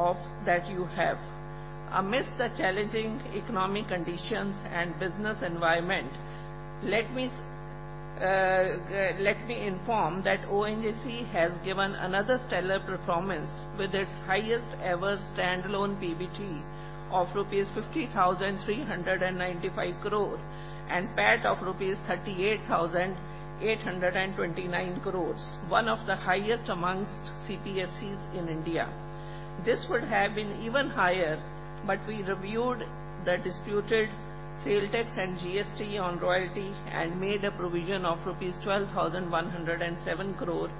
of that you have. Amidst the challenging economic conditions and business environment, let me inform that ONGC has given another stellar performance with its highest ever standalone PBT of rupees 50,395 crore, and PAT of rupees 38,829 crore, one of the highest amongst CPSEs in India. This would have been even higher, but we reviewed the disputed sale tax and GST on royalty and made a provision of rupees 12,107 crore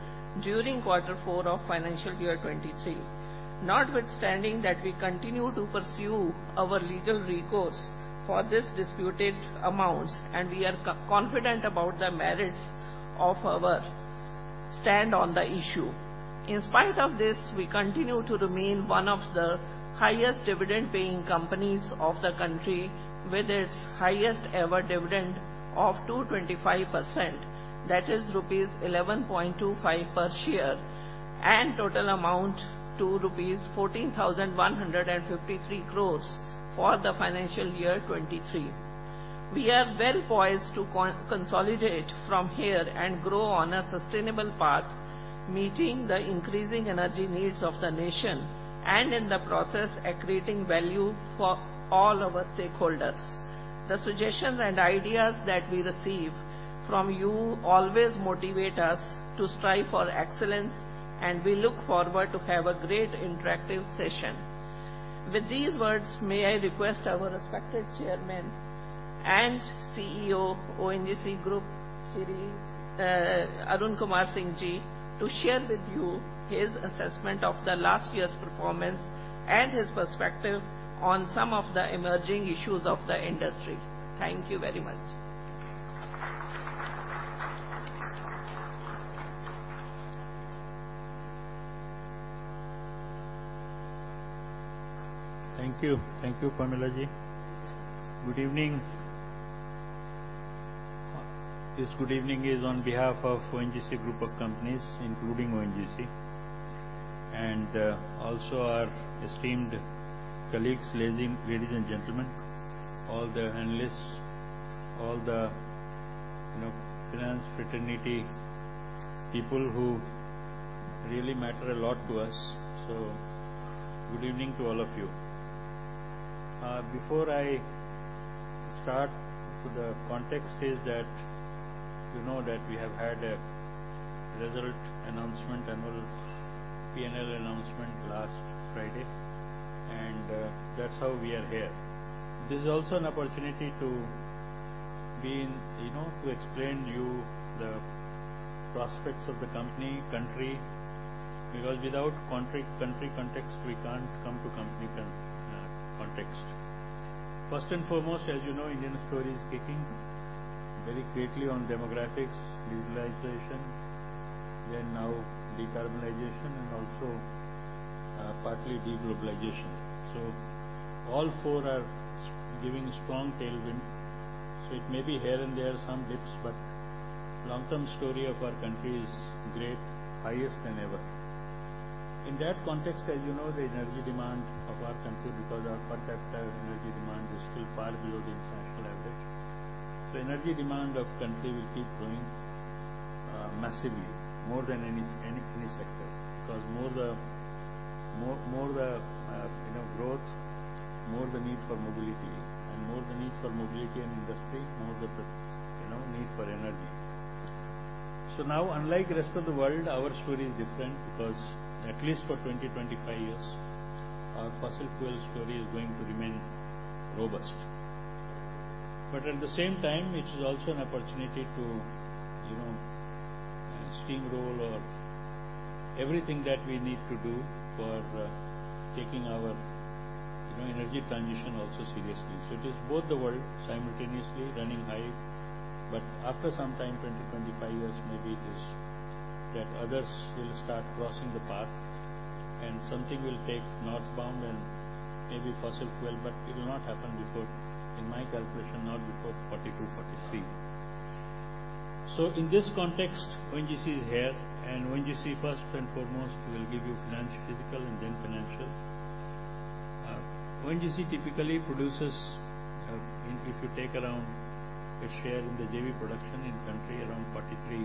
during quarter four of financial year 2023. Notwithstanding that, we continue to pursue our legal recourse for these disputed amounts, and we are confident about the merits of our stand on the issue. In spite of this, we continue to remain one of the highest dividend-paying companies of the country, with its highest ever dividend of 225%, that is rupees 11.25 per share, and total amount to rupees 14,153 crores for the financial year 2023. We are well poised to consolidate from here and grow on a sustainable path, meeting the increasing energy needs of the nation, and in the process, accreting value for all our stakeholders. The suggestions and ideas that we receive from you always motivate us to strive for excellence. We look forward to have a great interactive session. With these words, may I request our respected Chairman and CEO, ONGC Group, Sri Arun Kumar Singh Ji, to share with you his assessment of the last year's performance and his perspective on some of the emerging issues of the industry. Thank you very much. Thank you. Thank you, Pamela Ji. Good evening. This good evening is on behalf of ONGC Group of Companies, including ONGC, and also our esteemed colleagues, ladies, and gentlemen, all the analysts, all the, you know, finance fraternity, people who really matter a lot to us. Good evening to all of you. Before I start, the context is that you know that we have had a result announcement, annual PNL announcement last Friday, that's how we are here. This is also an opportunity to be, you know, to explain you the prospects of the company, country, because without country context, we can't come to company context. First and foremost, as you know, Indian story is kicking very quickly on demographics, digitalization, then now decarbonization, also partly deglobalization. All four are giving strong tailwind. It may be here and there are some dips, but long-term story of our country is great, highest than ever. In that context, as you know, the energy demand of our country, because our per capita energy demand is still far below the international average. Energy demand of country will keep growing, massively, more than any sector, because more the, more the, you know, growth, more the need for mobility, and more the need for mobility and industry, more the, you know, need for energy. Now, unlike the rest of the world, our story is different because at least for 20-25 years, our fossil fuel story is going to remain robust. At the same time, it is also an opportunity to, you know, steamroll of everything that we need to do for taking our, you know, energy transition also seriously. It is both the world simultaneously running high, but after some time, 20-25 years maybe, is that others will start crossing the path, and something will take northbound and maybe fossil fuel, but it will not happen before, in my calculation, not before 42-43. In this context, ONGC is here, and ONGC, first and foremost, will give you financial, physical, and then financials. ONGC typically produces, if you take around a share in the JV production in country, around 43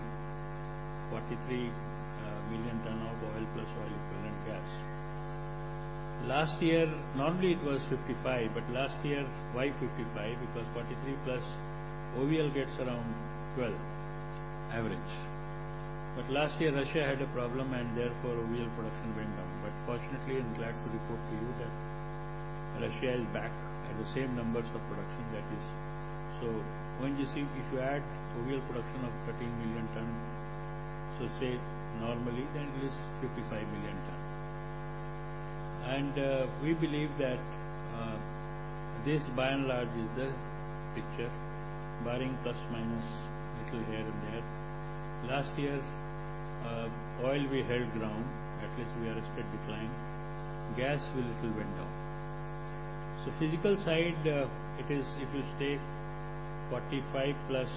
million ton of oil plus oil equivalent gas. Last year. Normally, it was 55, but last year. Why 55? Because 43 plus OVL gets around 12, average. Last year, Russian Federation had a problem and therefore, OVL production went down. Fortunately, I'm glad to report to you that Russian Federation is back at the same numbers of production that is. ONGC, if you add OVL production of 13 million ton, so say normally, then it is 55 million ton. We believe that this by and large is the picture, barring plus, minus, little here and there. Last year, oil we held ground, at least we are a steady decline. Gas will little went down. Physical side, it is, if you take 45 plus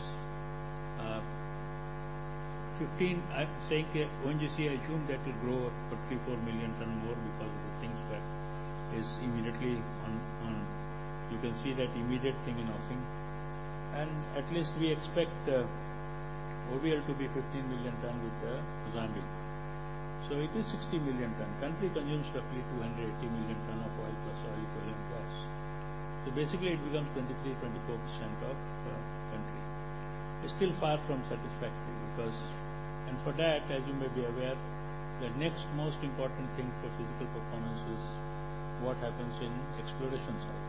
15, I'm saying that ONGC, I assume that will grow up to 3-4 million ton more because of the things that is immediately on. You can see that immediate thing in Asing. At least we expect OVL to be 15 million ton with Mozambique. It is 60 million ton. Country consumes roughly 280 million ton of oil plus oil equivalent gas. Basically, it becomes 23%-24% of country. It's still far from satisfactory. For that, as you may be aware, the next most important thing for physical performance is what happens in exploration side.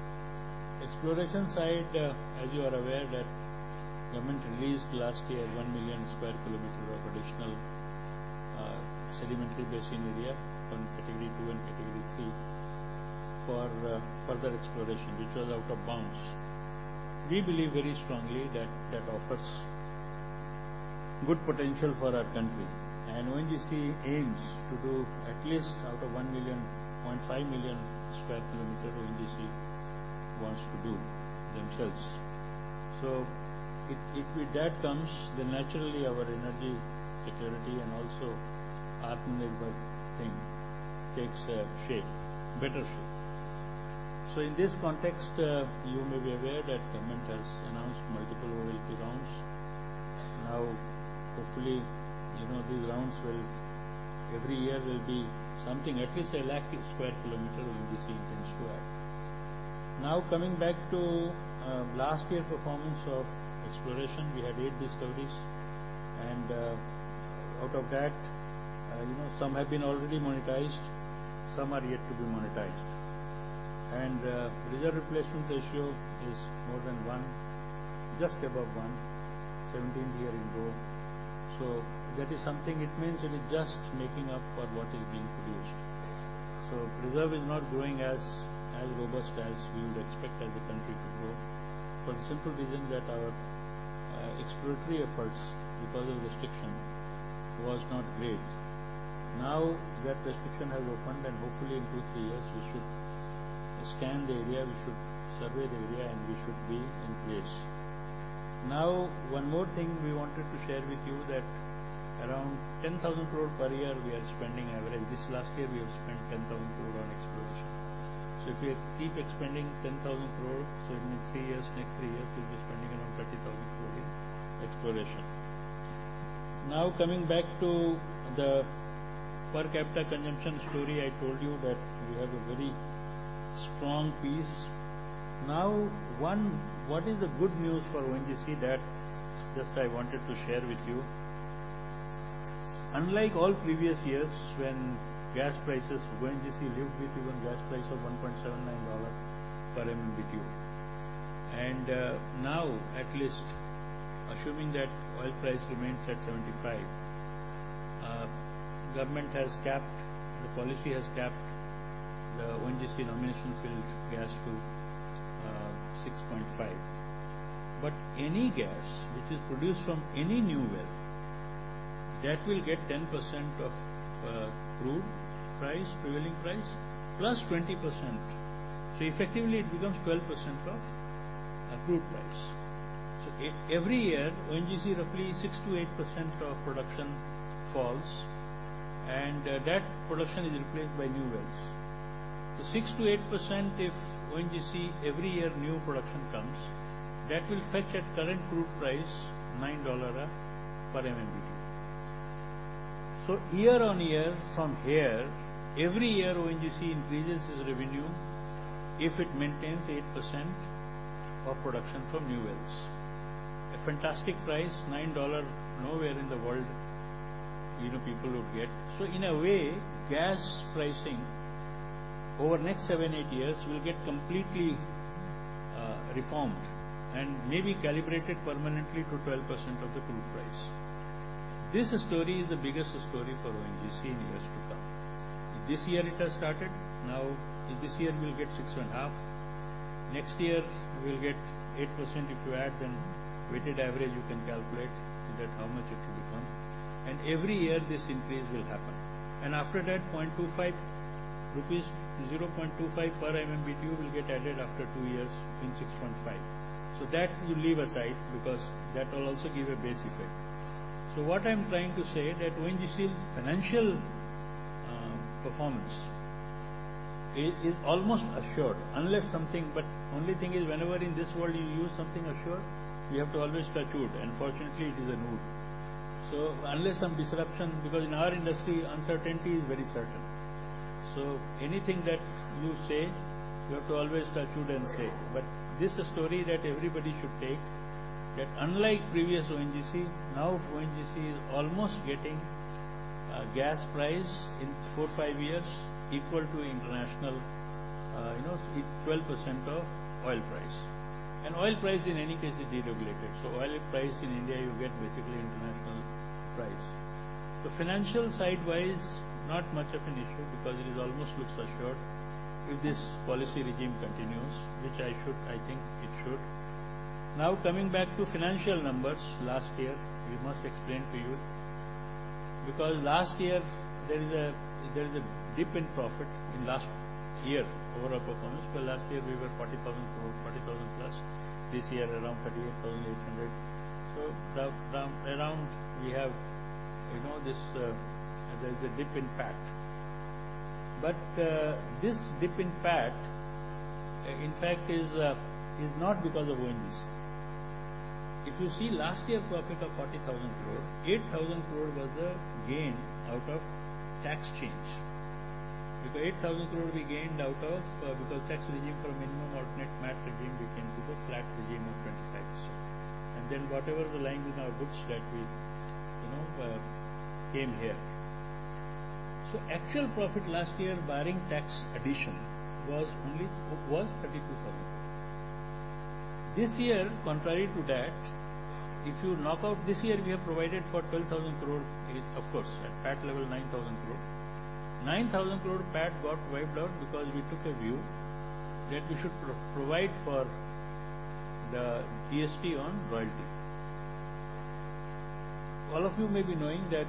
Exploration side, as you are aware, that government released last year 1 million square kilometer of additional sedimentary basin area from Category 2 and Category 3 for further exploration, which was out of bounds. We believe very strongly that that offers good potential for our country, and ONGC aims to do at least out of 1 million, 0.5 million square kilometer, ONGC wants to do themselves. If with that comes, then naturally our energy security and also Atmanirbhar thing takes a shape, better shape. In this context, you may be aware that government has announced multiple OALP rounds. Hopefully, you know, these rounds every year will be something at least 1 lakh square kilometer ONGC intends to add. Coming back to last year performance of exploration, we had eight discoveries, and out of that, you know, some have been already monetized, some are yet to be monetized. Reserve replacement ratio is more than one, just above one, 17th year in row. That is something. It means it is just making up for what is being produced. Reserve is not growing as robust as we would expect as a country to grow, for the simple reason that our exploratory efforts, because of restriction, was not great. That restriction has opened, and hopefully in two, three years, we should scan the area, we should survey the area, and we should be in place. One more thing we wanted to share with you that around 10,000 crore per year, we are spending average. This last year, we have spent 10,000 crore on exploration. If we keep expending 10,000 crore, in the next three years, we'll be spending around INR 30,000 crore in exploration. Coming back to the per capita consumption story, I told you that we have a very strong piece. What is the good news for ONGC that just I wanted to share with you? Unlike all previous years, when gas prices, ONGC lived with even gas price of $1.79 per MMBtu. Now, at least assuming that oil price remains at $75, government has capped, the policy has capped the ONGC nomination field gas to $6.5. Any gas which is produced from any new well, that will get 10% of crude price, prevailing price, plus 20%. Effectively, it becomes 12% of crude price. Every year, ONGC, roughly 6% to 8% of production falls, and that production is replaced by new wells. The 6% to 8%, if ONGC every year new production comes, that will fetch at current crude price, $9 per MMBtu. Year-on-year from here, every year, ONGC increases its revenue if it maintains 8% of production from new wells. A fantastic price, $9, nowhere in the world, you know, people would get. In a way, gas pricing over the next seven, eight years will get completely reformed and maybe calibrated permanently to 12% of the crude price. This story is the biggest story for ONGC in years to come. This year it has started. In this year, we'll get six and a half. Next year, we'll get 8%. If you add weighted average, you can calculate that how much it will become. Every year, this increase will happen. After that, 0.25 rupees, 0.25 per MMBtu will get added after two years in 6.5. That we leave aside because that will also give a base effect. What I'm trying to say that ONGC's financial performance is almost assured unless something. Only thing is, whenever in this world you use something assured, you have to always statute, and fortunately, it is a mood. Unless some disruption, because in our industry, uncertainty is very certain. Anything that you say, you have to always statute and say. This story that everybody should take, that unlike previous ONGC, now ONGC is almost getting gas price in 4, 5 years equal to international, you know, 12% of oil price. Oil price in any case is deregulated. Oil price in India, you get basically international price. The financial side-wise, not much of an issue because it is almost looks assured if this policy regime continues, which I think it should. Coming back to financial numbers, last year, we must explain to you. Last year, there is a dip in profit in last year overall performance, because last year we were INR 40,000 crore, INR 40,000 plus. This year around INR 38,800. The around we have, you know, this, there's a dip in PAT. This dip in PAT, in fact, is not because of ONGC. If you see last year profit of 40,000 crore, 8,000 crore was the gain out of tax change. 8,000 crore we gained out of because tax regime from Minimum Alternate Tax regime, we came to the flat regime of 25%. Whatever the lying in our books that we, you know, came here. Actual profit last year, barring tax addition, was 32,000. This year, contrary to that, this year, we have provided for 12,000 crore, of course, at PAT level, 9,000 crore. 9,000 crore PAT got wiped out because we took a view that we should provide for the GST on royalty. All of you may be knowing that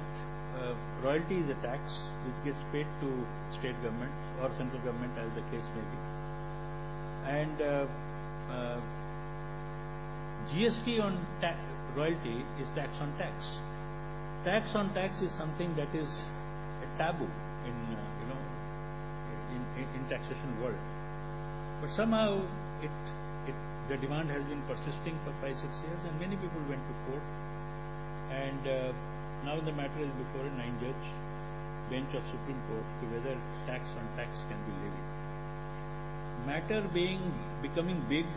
royalty is a tax which gets paid to state government or central government, as the case may be. GST on royalty is tax on tax. Tax on tax is something that is a taboo in, you know, in taxation world. Somehow it, the demand has been persisting for 5, 6 years, and many people went to court. Now the matter is before a 9 judge bench of Supreme Court, whether tax on tax can be levied. Matter becoming big,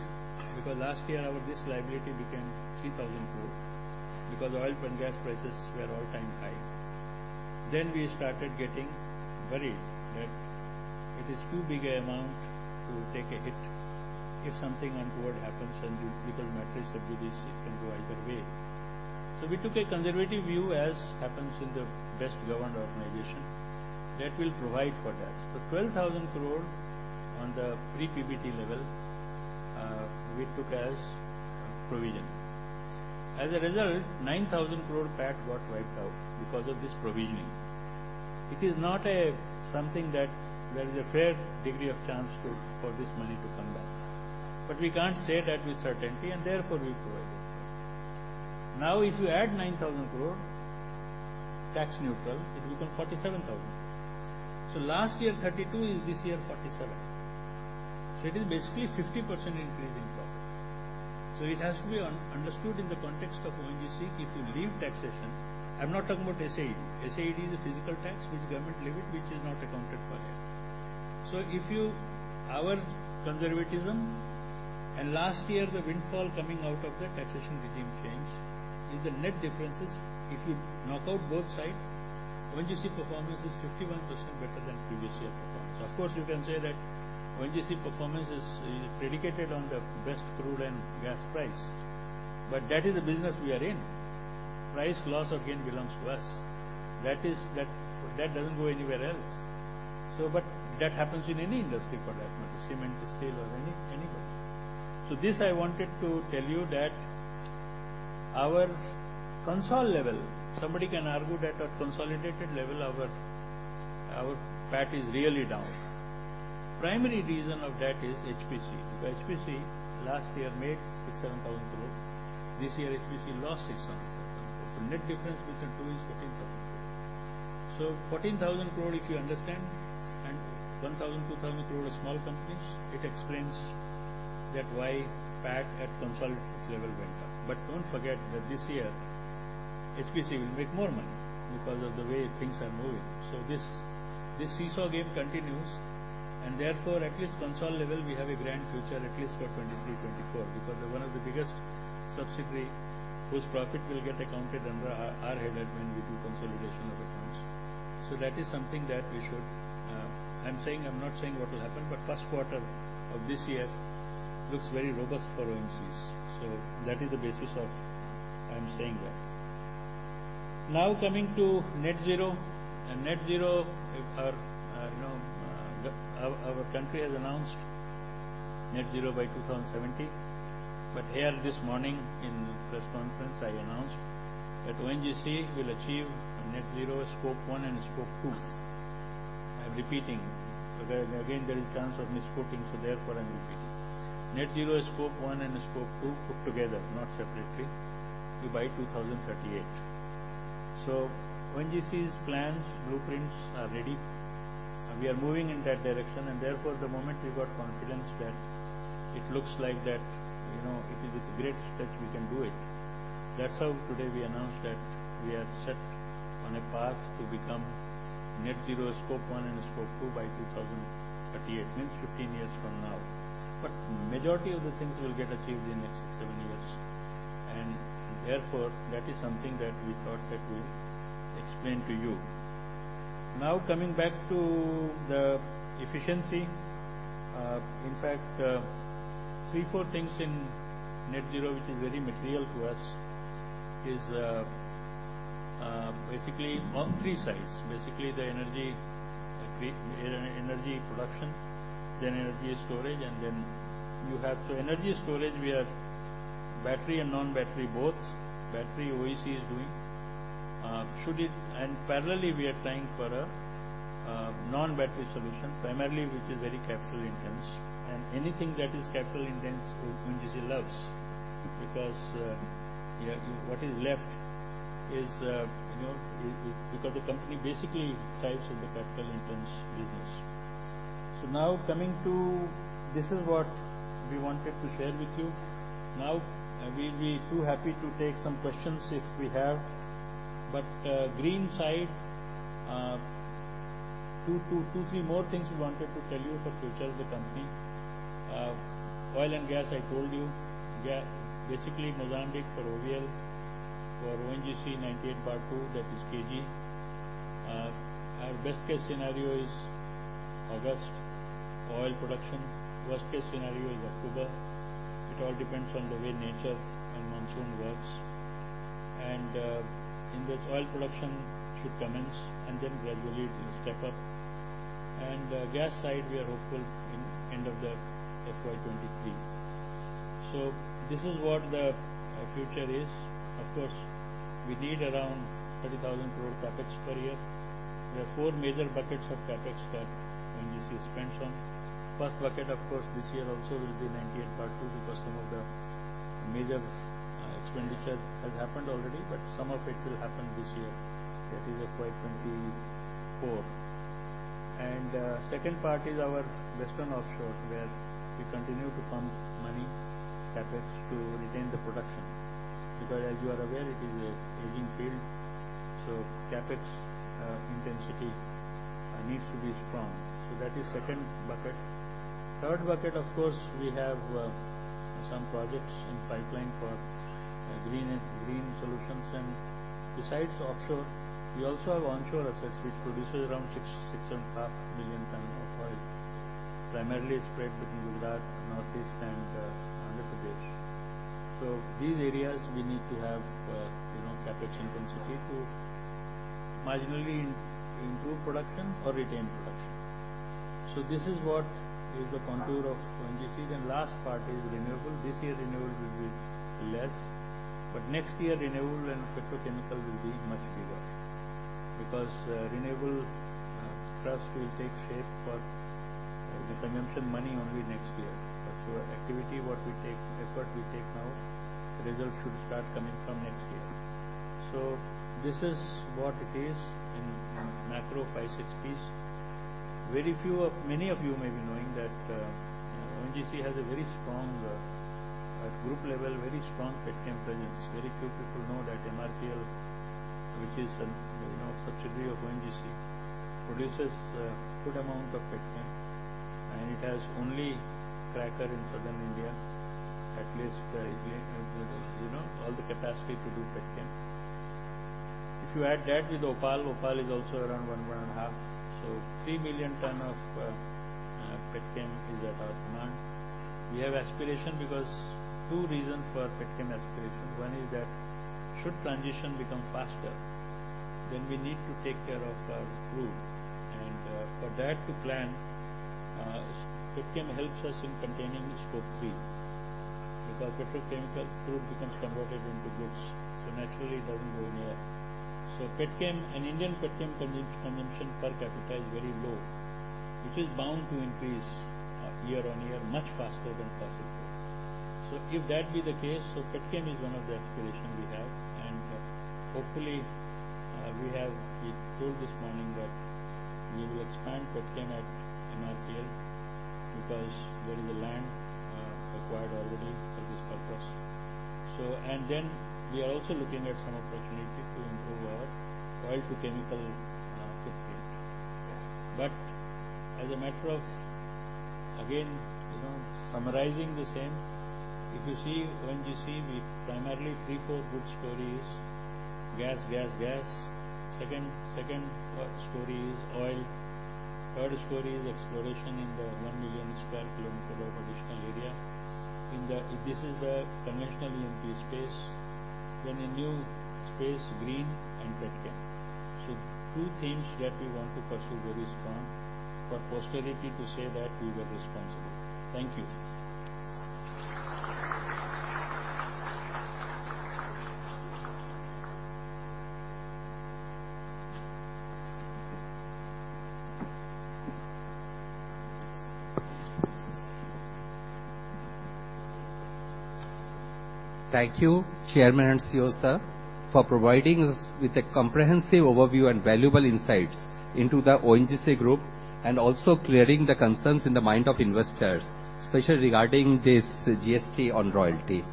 because last year our risk liability became 3,000 crore, because oil and gas prices were all-time high. We started getting worried that it is too big a amount to take a hit if something untoward happens, because matter sub judice, it can go either way. We took a conservative view, as happens in the best governed organization, that will provide for that. 12,000 crore on the pre-PBT level, we took as provision. As a result, 9,000 crore PAT got wiped out because of this provisioning. It is not a something that there is a fair degree of chance to, for this money to come back. We can't say that with certainty, and therefore we provide it. Now, if you add 9,000 crore, tax neutral, it becomes 47,000. Last year, 32, this year, 47. It is basically 50% increase in profit. It has to be understood in the context of ONGC if you leave taxation. I'm not talking about SAED. SAED is a physical tax which government levy, which is not accounted for here. If you our conservatism, and last year, the windfall coming out of the taxation regime change, is the net differences. If you knock out both sides, ONGC performance is 51% better than previous year performance. Of course, you can say that ONGC performance is predicated on the best crude and gas price, that is the business we are in. Price loss or gain belongs to us. That is, that doesn't go anywhere else. That happens in any industry for that matter, cement, steel or anybody. This, I wanted to tell you that our consolid level, somebody can argue that our consolidated level, our PAT is really down. Primary reason of that is HPCL, because HPCL last year made 6,000 to 7,000 crore. This year, HPCL lost 600 crore. The net difference between two is 14,000 crore. 14,000 crore, if you understand, and 1,000 to 2,000 crore are small companies, it explains that why PAT at consolid level went up. Don't forget that this year, HPCL will make more money because of the way things are moving. This seesaw game continues, and therefore, at least consolid level, we have a grand future, at least for 2023, 2024, because they're one of the biggest subsidiary whose profit will get accounted under our header when we do consolidation of accounts. That is something that we should. I'm saying, I'm not saying what will happen, but first quarter of this year looks very robust for ONGC. That is the basis of I'm saying that. Net zero, if our, you know, our country has announced net zero by 2070. Here this morning in press conference, I announced that ONGC will achieve net zero Scope 1 and Scope 2. I'm repeating again, there is chance of misquoting, therefore, I'm repeating. Net zero, scope one and scope two put together, not separately, by 2038. ONGC's plans, blueprints are ready, and we are moving in that direction. The moment we got confidence that it looks like that, you know, it is with great step we can do it. That's how today we announced that we are set on a path to become net zero, scope one and scope two by 2038, means 15 years from now. Majority of the things will get achieved in next 6, 7 years, and therefore, that is something that we thought that we explain to you. Coming back to the efficiency. In fact, 3, 4 things in net zero, which is very material to us, is basically on 3 sides. Basically, the energy production, then energy storage, and then you have. Energy storage, we are. Battery and non-battery, both. Battery OEC is doing, and parallelly, we are trying for a non-battery solution, primarily, which is very capital-intense. Anything that is capital-intense, ONGC loves, because, yeah, what is left is, you know, because the company basically thrives in the capital-intense business. This is what we wanted to share with you. Now, we'll be too happy to take some questions if we have. Green side, three more things we wanted to tell you for future of the company. Oil and gas, I told you, basically, Mozambique for OVL, for ONGC, 98/2, that is KG. Our best case scenario is August, oil production. Worst case scenario is October. It all depends on the way nature and monsoon works. In which oil production should commence, gradually it will step up. Gas side, we are hopeful in end of the FY 23. This is what the future is. Of course, we need around 30,000 crore CapEx per year. There are four major buckets of CapEx that ONGC spends on. First bucket, of course, this year also will be 98 part 2, because some of the major expenditure has happened already, but some of it will happen this year. That is FY 24. Second part is our western offshore, where we continue to pump money, CapEx, to retain the production, because as you are aware, it is a aging field, so CapEx intensity needs to be strong. That is second bucket. Third bucket, of course, we have some projects in pipeline for green solutions. Besides offshore, we also have onshore assets, which produces around 6.5 million ton of oil, primarily spread between Gujarat, Northeast, and Andhra Pradesh. These areas, we need to have, you know, CapEx intensity to marginally improve production or retain production. This is what is the contour of ONGC. The last part is renewable. This year, renewable will be less, but next year, renewable and petrochemical will be much bigger because renewable trust will take shape for the consumption money only next year. Activity, what we take, effort we take now, the result should start coming from next year. This is what it is in macro 5, 6 piece. Many of you may be knowing that ONGC has a very strong, at group level, very strong petchem presence. Very few people know that MRPL, which is an, you know, a subsidiary of ONGC, produces a good amount of petchem, and it has only cracker in Southern India, at least, you know, all the capacity to do petchem. If you add that with OPaL is also around 1.5. Three million tons of petchem is at our command. We have aspiration because 2 reasons for petchem aspiration. One is that should transition become faster, then we need to take care of crude, and for that to plan, petchem helps us in containing Scope 3, because petrochemical crude becomes converted into goods, so naturally, it doesn't go in air. petchem, an Indian petchem consumption per capita is very low, which is bound to increase, year-on-year, much faster than fossil fuel. If that be the case, petchem is one of the aspiration we have, and hopefully, we told this morning that we will expand petchem at MRPL, because there is a land, acquired already for this purpose. And then we are also looking at some opportunity to improve our oil to chemical, footprint. As a matter of, again, you know, summarizing the same, if you see ONGC, we primarily three, four good stories: gas, gas. Second, story is oil. Third story is exploration in the 1 million sq km of additional area. This is the conventional ONGC space. A new space, green and petchem. Two things that we want to pursue very strong for posterity to say that we were responsible. Thank you. Thank you, Chairman and CEO, sir, for providing us with a comprehensive overview and valuable insights into the ONGC group, and also clearing the concerns in the mind of investors, especially regarding this GST on royalty.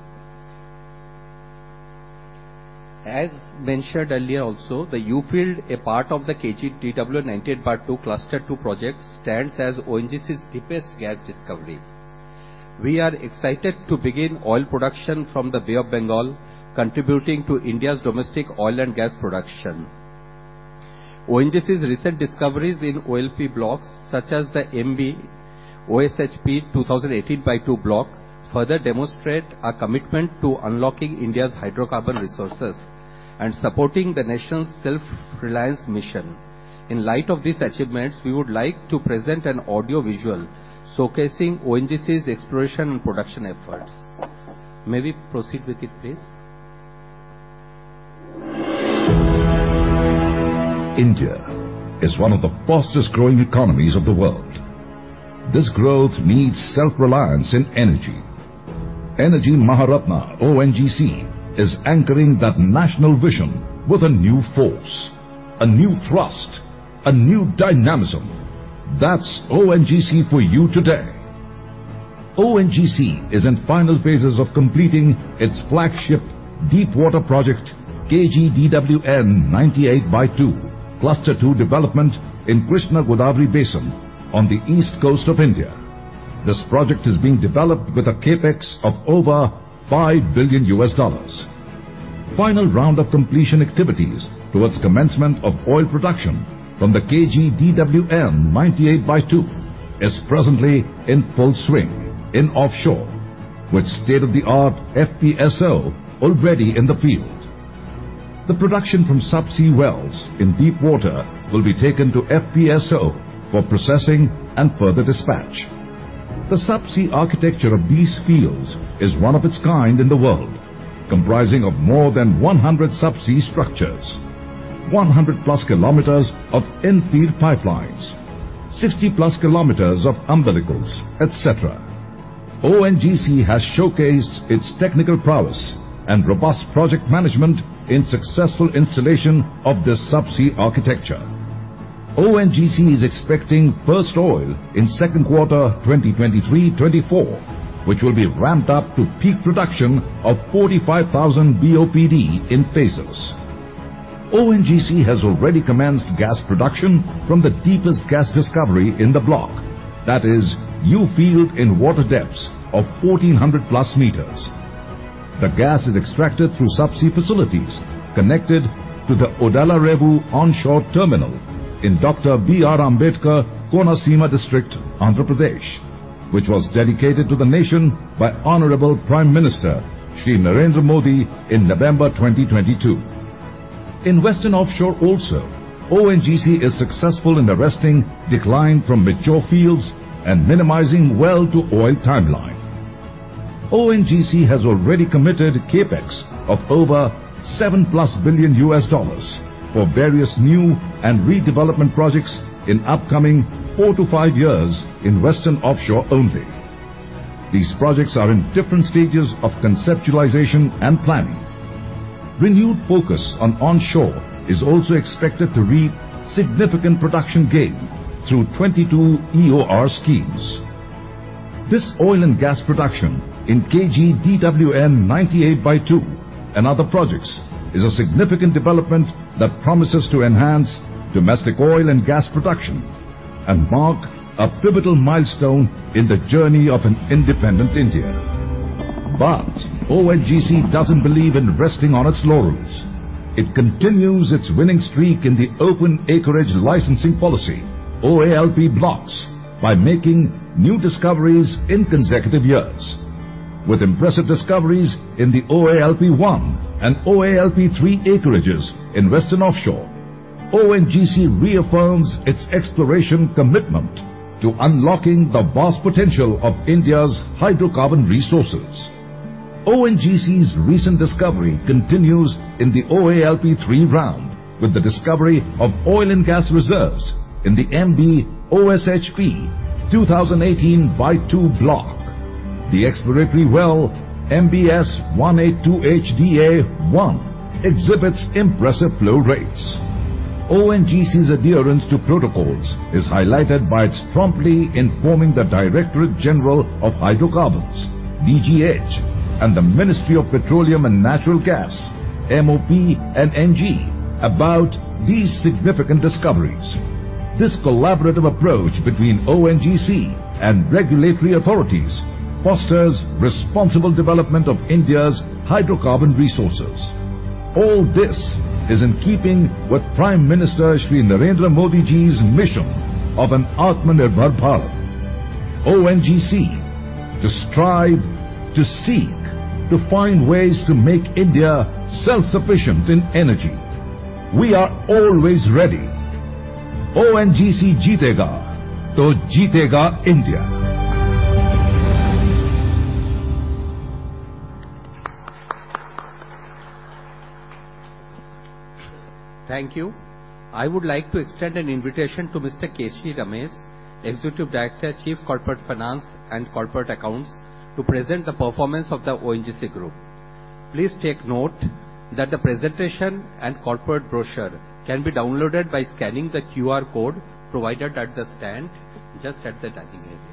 As mentioned earlier also, the U field, a part of the KG-DWN-98/2, Cluster 2 project, stands as ONGC's deepest gas discovery. We are excited to begin oil production from the Bay of Bengal, contributing to India's domestic oil and gas production. ONGC's recent discoveries in OALP blocks, such as the MB-OSHP-2018/2 block, further demonstrate our commitment to unlocking India's hydrocarbon resources and supporting the nation's self-reliance mission. In light of these achievements, we would like to present an audio visual showcasing ONGC's exploration and production efforts. May we proceed with it, please? India is one of the fastest growing economies of the world. This growth needs self-reliance in energy. Energy Maharatna, ONGC, is anchoring that national vision with a new force, a new trust, a new dynamism. That's ONGC for you today. ONGC is in final phases of completing its flagship deepwater project, KG-DWN-98/2, Cluster 2 development in Krishna Godavari Basin on the east coast of India. This project is being developed with a CapEx of over $5 billion. Final round of completion activities towards commencement of oil production from the KG-DWN-98/2 is presently in full swing in offshore, with state-of-the-art FPSO already in the field. The production from subsea wells in deepwater will be taken to FPSO for processing and further dispatch. The subsea architecture of these fields is one of its kind in the world, comprising of more than 100 subsea structures, 100+ kilometers of in-field pipelines, 60+ kilometers of umbilicals, et cetera. ONGC has showcased its technical prowess and robust project management in successful installation of this subsea architecture. ONGC is expecting first oil in second quarter, 2023-24, which will be ramped up to peak production of 45,000 BOPD in phases. ONGC has already commenced gas production from the deepest gas discovery in the block, that is, U field in water depths of 1,400+ meters. The gas is extracted through subsea facilities connected to the Odalarevu onshore terminal in Dr. B. R. Ambedkar Konaseema District, Andhra Pradesh, which was dedicated to the nation by Honorable Prime Minister, Shri Narendra Modi, in November 2022. In Western Offshore also, ONGC is successful in arresting decline from mature fields and minimizing well to oil timeline. ONGC has already committed CapEx of over $7+ billion for various new and redevelopment projects in upcoming 4 to 5 years in Western Offshore only. These projects are in different stages of conceptualization and planning. Renewed focus on onshore is also expected to reap significant production gain through 22 EOR schemes. This oil and gas production in KG-DWN-98/2 and other projects is a significant development that promises to enhance domestic oil and gas production and mark a pivotal milestone in the journey of an independent India. ONGC doesn't believe in resting on its laurels. It continues its winning streak in the Open Acreage Licensing Policy, OALP Blocks, by making new discoveries in consecutive years. With impressive discoveries in the OALP 1 and OALP 3 acreages in Western Offshore, ONGC reaffirms its exploration commitment to unlocking the vast potential of India's hydrocarbon resources. ONGC's recent discovery continues in the OALP 3 round, with the discovery of oil and gas reserves in the MB-OSHP-2018/2 block. The exploratory well, MBS182HDA-1, exhibits impressive flow rates. ONGC's adherence to protocols is highlighted by its promptly informing the Directorate General of Hydrocarbons, DGH, and the Ministry of Petroleum and Natural Gas, MoPNG, about these significant discoveries. This collaborative approach between ONGC and regulatory authorities fosters responsible development of India's hydrocarbon resources. All this is in keeping with Prime Minister Shri Narendra Modiji's mission of an Atmanirbhar Bharat. ONGC, to strive, to seek, to find ways to make India self-sufficient in energy. We are always ready. ONGC jeetega toh jeetega India. Thank you. I would like to extend an invitation to Mr. K.C. Ramesh, Executive Director, Chief Corporate Finance and Corporate Accounts, to present the performance of the ONGC Group. Please take note that the presentation and corporate brochure can be downloaded by scanning the QR code provided at the stand, just at the dining area.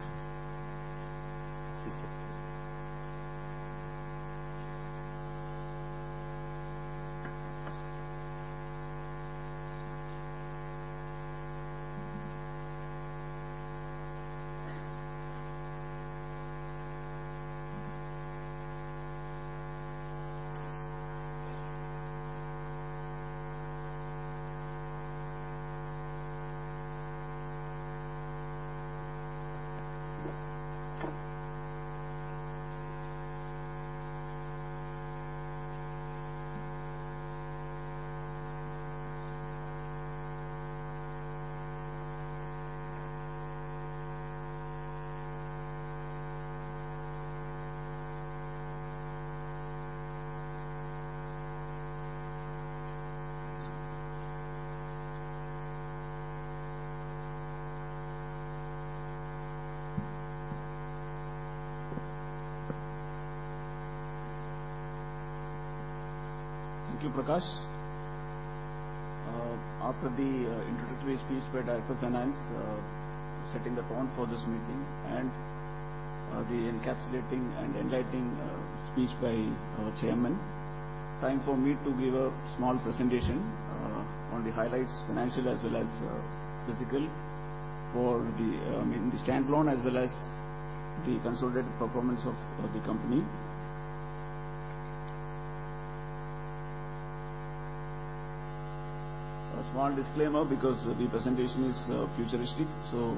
Thank you, Prakash. After the introductory speech by Director Finance, setting the tone for this meeting, the encapsulating and enlightening speech by our Chairman, time for me to give a small presentation on the highlights, financial as well as physical, for the standalone as well as the consolidated performance of the company. A small disclaimer, because the presentation is futuristic, so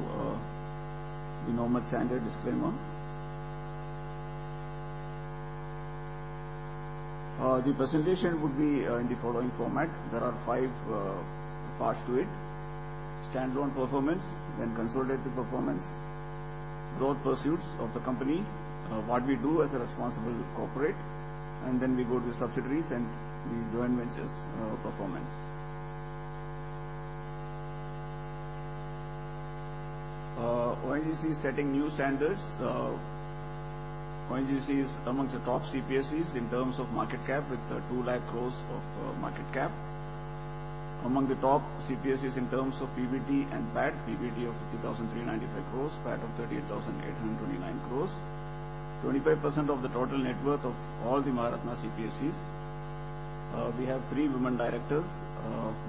the normal standard disclaimer. The presentation would be in the following format. There are five parts to it: standalone performance, consolidated performance, growth pursuits of the company, what we do as a responsible corporate, we go to subsidiaries and the joint ventures performance. ONGC is setting new standards. ONGC is amongst the top CPSEs in terms of market cap, with 2 lakh crore of market cap. Among the top CPSEs in terms of PBT and PAT, PBT of 50,395 crore, PAT of 38,829 crore. 25% of the total net worth of all the Maharatna CPSEs. We have three women directors,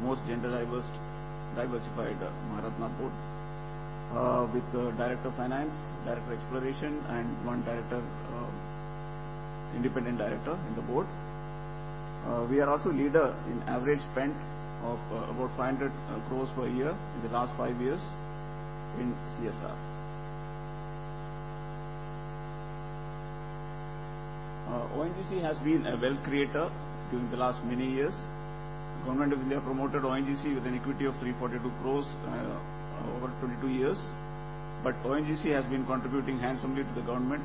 most gender diversified Maharatna board, with a director of finance, director exploration, and one independent director in the board. We are also leader in average spend of about 500 crore per year in the last five years in CSR. ONGC has been a wealth creator during the last many years. The government of India promoted ONGC with an equity of 342 crore over 22 years. ONGC has been contributing handsomely to the government,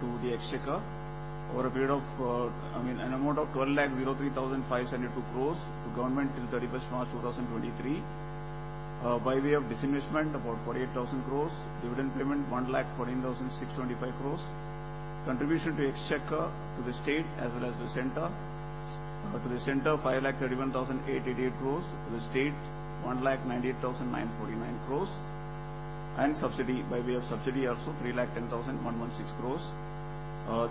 to the exchequer, over a period of, I mean, an amount of 12,03,502 crores to government till 31st March 2023. By way of disinvestment, about 48,000 crores. Dividend payment, 1,14,625 crores. Contribution to exchequer, to the state as well as the center. To the center, 5,31,888 crores. To the state, 1,98,949 crores. Subsidy, by way of subsidy also, 3,10,116 crores.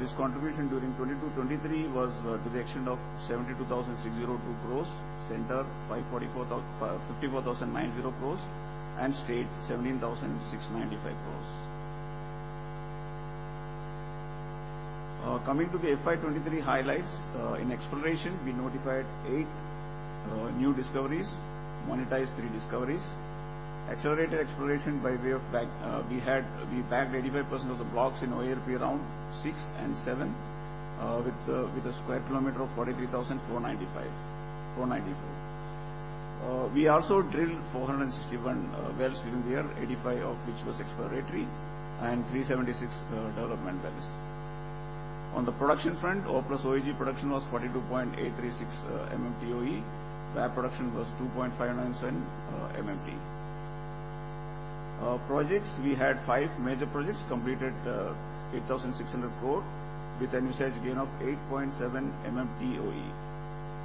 This contribution during 2022-2023 was to the extent of 72,602 crores. Center, 54,090 crores, and state, 17,695 crores. Coming to the FY 23 highlights. In exploration, we notified 8 new discoveries, monetized 3 discoveries. Accelerated exploration by way of back, we backed 85% of the blocks in OALP Round 6 and 7 with a square kilometer of 43,494. We also drilled 461 wells during the year, 85 of which was exploratory, and 376 development wells. On the production front, oil plus OAG production was 42.836 MMTOE. Gas production was 2.597 MMT. Projects, we had 5 major projects completed, 8,600 crore, with an average gain of 8.7 MMTOE.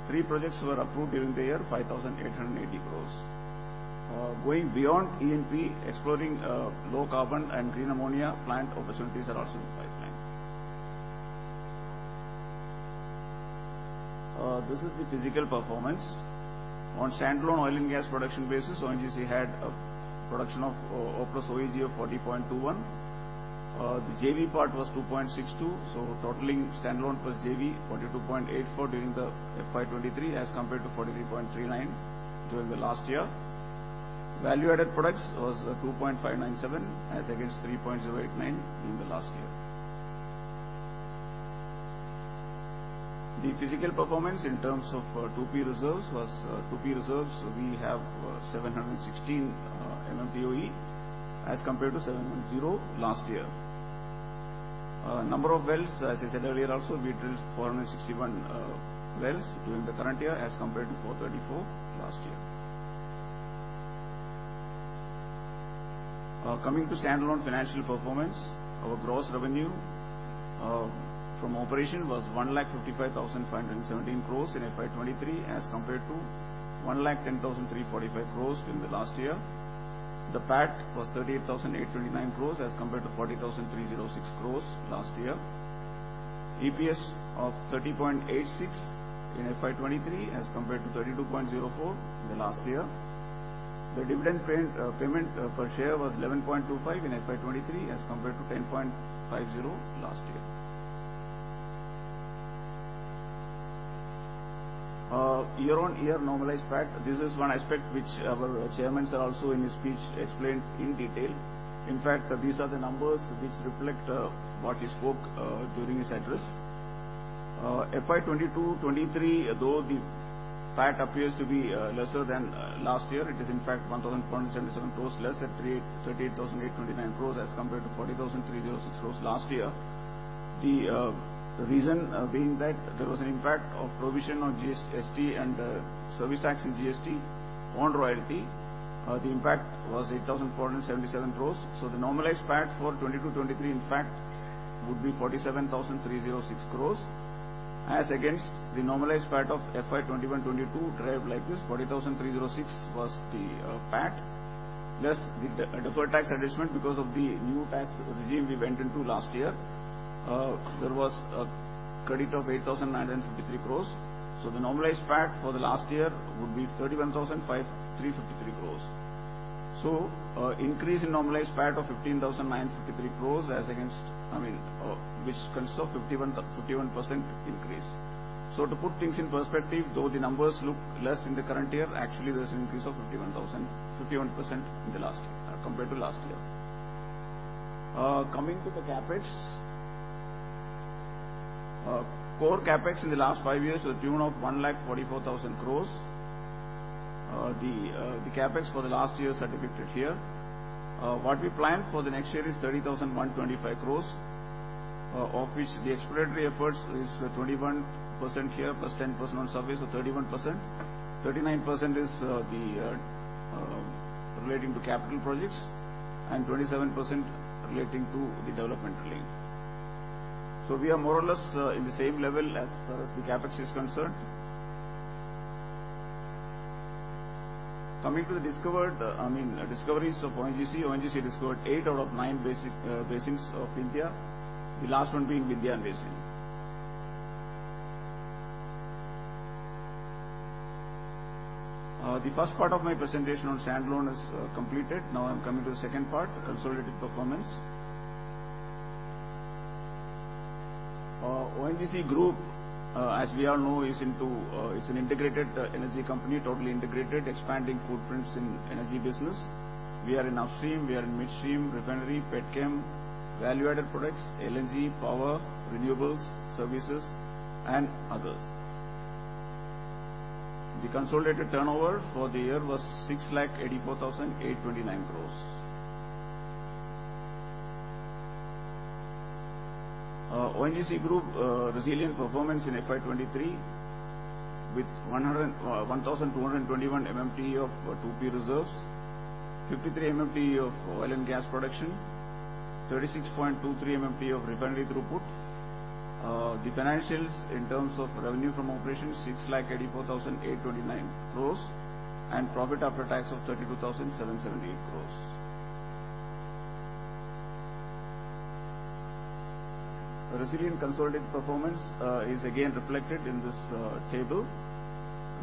3 projects were approved during the year, 5,880 crore. Going beyond E&P, exploring low carbon and green ammonia plant opportunities are also in the pipeline. This is the physical performance. On standalone oil and gas production basis, ONGC had a production of oil plus OAG of 40.21. The JV part was 2.62, so totaling standalone plus JV, 42.84 during the FY 2023, as compared to 43.39 during the last year. Value-added products was 2.597, as against 3.089 in the last year. The physical performance in terms of 2P reserves was 2P reserves, we have 716 MMTOE, as compared to 710 last year. Number of wells, as I said earlier, also, we drilled 461 wells during the current year, as compared to 434 last year. Coming to standalone financial performance, our gross revenue from operation was 1,55,517 crores in FY23, as compared to 1,10,345 crores during the last year. The PAT was 38,829 crores, as compared to 40,306 crores last year. EPS of 30.86 in FY23, as compared to 32.04 in the last year. The dividend payment per share was 11.25 in FY23, as compared to 10.50 last year. Year-on-year normalized PAT, this is one aspect which our Chairman, sir, also in his speech, explained in detail. In fact, these are the numbers which reflect what he spoke during his address. FY22, FY23, though the PAT appears to be lesser than last year, it is in fact, 1,477 crores less at 38,829 crores, as compared to 40,306 crores last year. The reason being that there was an impact of provision on GST and service tax in GST on royalty. The impact was 8,477 crores. The normalized PAT for 2022, 2023, in fact, would be 47,306 crores, as against the normalized PAT of FY 2021, 2022 derived like this: 40,306 was the PAT, less the de-deferred tax adjustment. Because of the new tax regime we went into last year, there was a credit of 8,953 crores. The normalized PAT for the last year would be 31,353 crores. Increase in normalized PAT of 15,953 crores I mean, which consists of 51% increase. To put things in perspective, though, the numbers look less in the current year, actually, there's an increase of 51% in the last year compared to last year. Coming to the CapEx. Core CapEx in the last five years are tune of 1,44,000 crore. The CapEx for the last year are depicted here. What we plan for the next year is 30,125 crore, of which the exploratory efforts is 21% here, plus 10% on service, so 31%. 39% is relating to capital projects, and 27% relating to the development drilling. We are more or less in the same level as far as the CapEx is concerned. Coming to the discovered, I mean, discoveries of ONGC. ONGC discovered eight out of nine basic basins of India, the last one being Vindhya Basin. The first part of my presentation on standalone is completed. Now, I'm coming to the second part, consolidated performance. ONGC Group, as we all know, is into It's an integrated energy company, totally integrated, expanding footprints in energy business. We are in upstream, we are in midstream, refinery, petchem, value-added products, LNG, power, renewables, services, and others. The consolidated turnover for the year was 684,829 crores. ONGC Group, resilient performance in FY 2023, with 1,221 MMte of 2P reserves, 53 MMte of oil and gas production, 36.23 MMte of refinery throughput. The financials in terms of revenue from operations, 684,829 crores, and profit after tax of 32,778 crores. The resilient consolidated performance is again reflected in this table.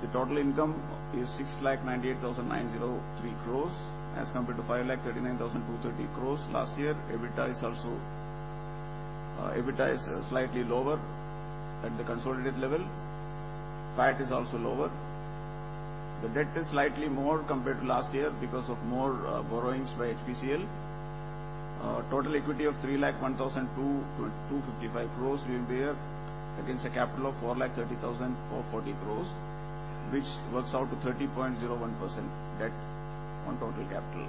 The total income is 6,98,903 crores, as compared to 5,39,230 crores last year. EBITDA is also slightly lower at the consolidated level. PAT is also lower. The debt is slightly more compared to last year because of more borrowings by HPCL. Total equity of 3,01,255 crores we bear, against a capital of 4,30,440 crores, which works out to 13.01% debt on total capital.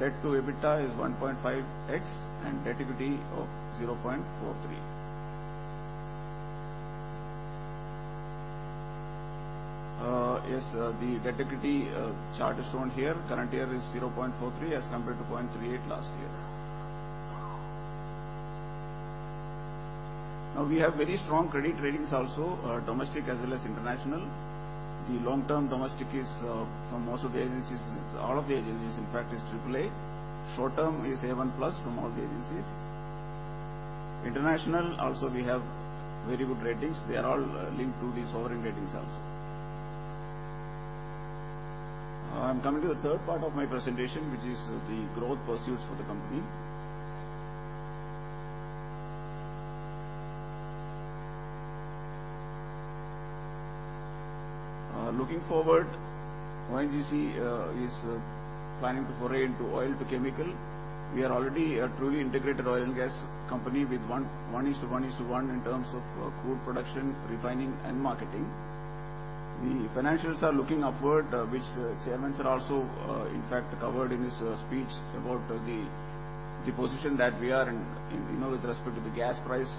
Debt to EBITDA is 1.5x and debt equity of 0.43. Yes, the debt equity chart is shown here. Current year is 0.43 as compared to 0.38 last year. We have very strong credit ratings also, domestic as well as international. The long-term domestic is from most of the agencies, all of the agencies, in fact, is AAA. Short-term is A-1+ from all the agencies. International, also, we have very good ratings. They are all linked to the sovereign ratings also. I'm coming to the third part of my presentation, which is the growth pursuits for the company. Looking forward, ONGC is planning to foray into oil to chemical. We are already a truly integrated oil and gas company with one is to one is to one in terms of crude production, refining, and marketing. The financials are looking upward, which the Chairman, sir, also, in fact, covered in his speech about the position that we are in, you know, with respect to the gas price,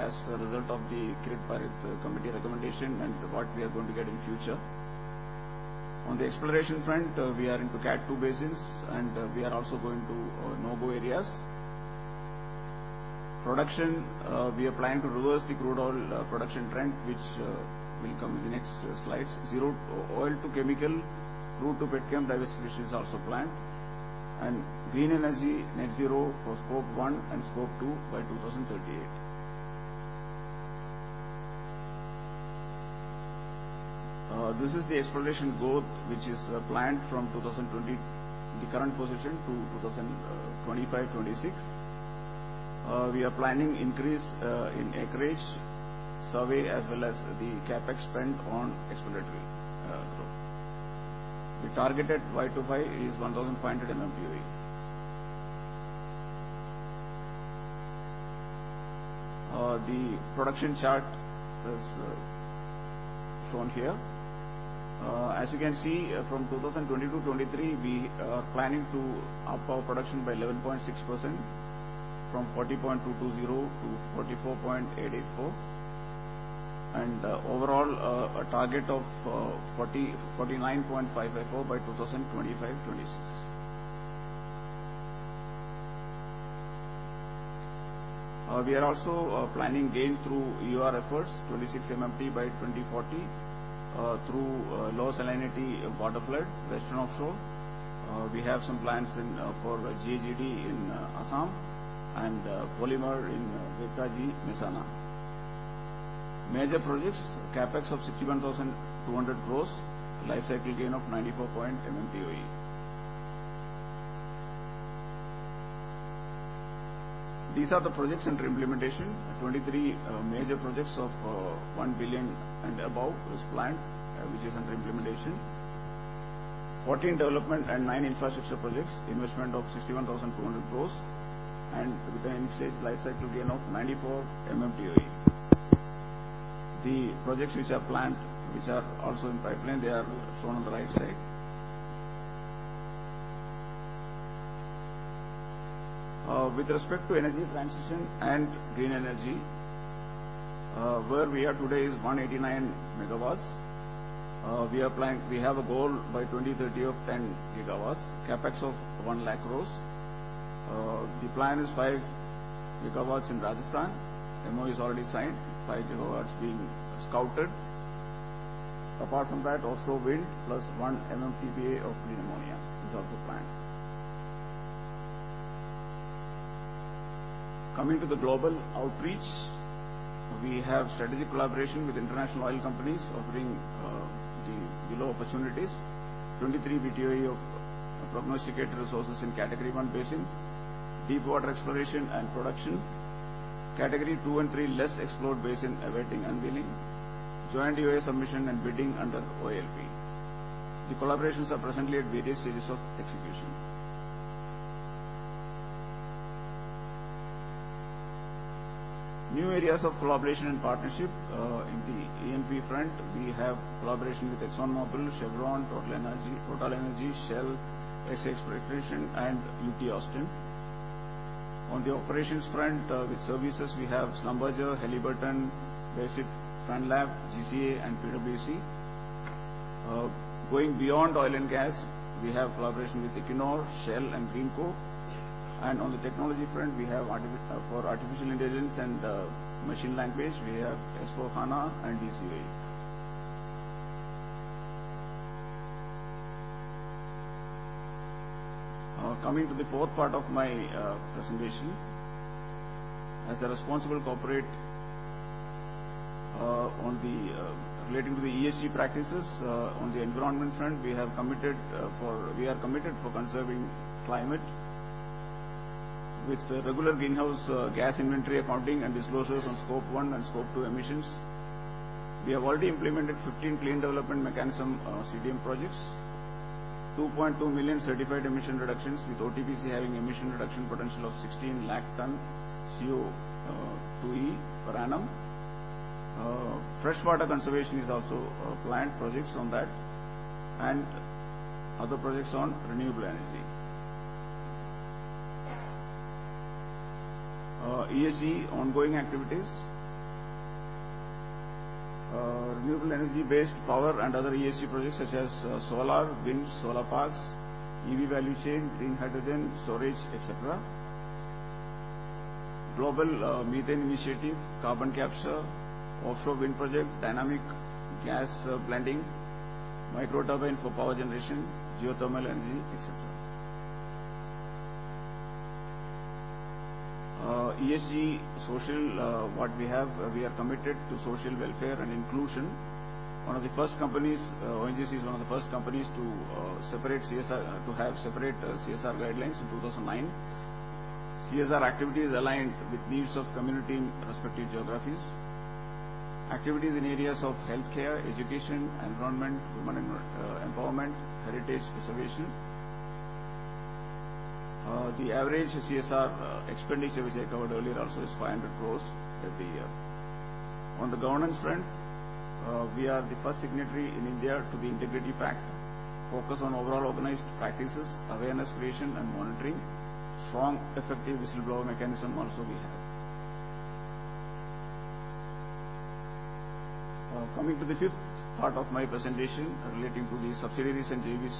as a result of the Kirit Parikh committee recommendation and what we are going to get in future. On the exploration front, we are into CAT two basins, and we are also going to no-go areas. Production, we are planning to reverse the crude oil production trend, which will come in the next slides. Oil to chemical, crude to petchem diversification is also planned, and green energy net zero for scope one and scope two by 2038. This is the exploration growth, which is planned from 2020, the current position, to 2025, 2026. We are planning increase in acreage, survey, as well as the CapEx spend on exploratory growth. The targeted Y 25 is 1,500 MMboe. The production chart is shown here. As you can see, from 2020 to 2023, we are planning to up our production by 11.6% from 40.220 to 44.884, and overall, a target of 49.554 by 2025, 2026. We are also planning gain through EOR efforts, 26 MMTP by 2040, through low salinity water flood, western offshore. We have some plans in for GAGD in Assam and polymer in Vesa Ji, Mehsana. Major projects, CapEx of 61,200 crores, lifecycle gain of 94 point MMboe. These are the projects under implementation. 23 major projects of 1 billion and above was planned, which is under implementation. 14 development and 9 infrastructure projects, investment of 61,200 crores, and with an indicated life cycle gain of 94 MMboe. The projects which are planned, which are also in pipeline, they are shown on the right side. With respect to energy transition and green energy, where we are today is 189 megawatts. We have a goal by 2030 of 10 gigawatts, CapEx of 1 lakh crores. The plan is 5 gigawatts in Rajasthan. MOU is already signed, 5 gigawatts being scouted. Apart from that, also wind plus 1 MMTPA of green ammonia is also planned. Coming to the global outreach, we have strategic collaboration with international oil companies offering the below opportunities: 23 Btoe of prognosticated resources in Category One basin, deep water exploration and production, Category 2 and 3 less explored basin awaiting unveiling, joint UA submission and bidding under OLB. The collaborations are presently at various stages of execution. New areas of collaboration and partnership in the E&P front, we have collaboration with ExxonMobil, Chevron, TotalEnergies, Shell, SX Exploration, and UT Austin. On the operations front, with services, we have Schlumberger, Halliburton, Basic, Fan Lab, GCA, and PwC. Going beyond oil and gas, we have collaboration with Equinor, Shell, and Greenco. On the technology front, we have for artificial intelligence and machine language, we have S/4HANA and DCAI. Coming to the fourth part of my presentation. As a responsible corporate, on the relating to the ESG practices, on the environment front, we are committed for conserving climate. With regular greenhouse gas inventory, accounting, and disclosures on scope one and scope two emissions, we have already implemented 15 clean development mechanism, CDM projects, 2.2 million certified emission reductions, with OTPC having emission reduction potential of 16 lakh ton CO2e per annum. Fresh water conservation is also planned projects on that and other projects on renewable energy. ESG ongoing activities. Renewable energy-based power and other ESG projects, such as solar, wind, solar parks, EV value chain, green hydrogen storage, et cetera. Global methane initiative, carbon capture, offshore wind project, dynamic gas blending, micro turbine for power generation, geothermal energy, et cetera. ESG social, what we have, we are committed to social welfare and inclusion. One of the first companies, ONGC is one of the first companies to separate CSR, to have separate CSR guidelines in 2009. CSR activities aligned with needs of community in respective geographies. Activities in areas of healthcare, education, environment, women empowerment, heritage preservation. The average CSR expenditure, which I covered earlier also, is 500 crores every year. On the governance front, we are the first signatory in India to the Integrity Pact. Focus on overall organized practices, awareness creation, and monitoring. Strong, effective whistleblower mechanism also we have. Coming to the fifth part of my presentation, relating to the subsidiaries and JVs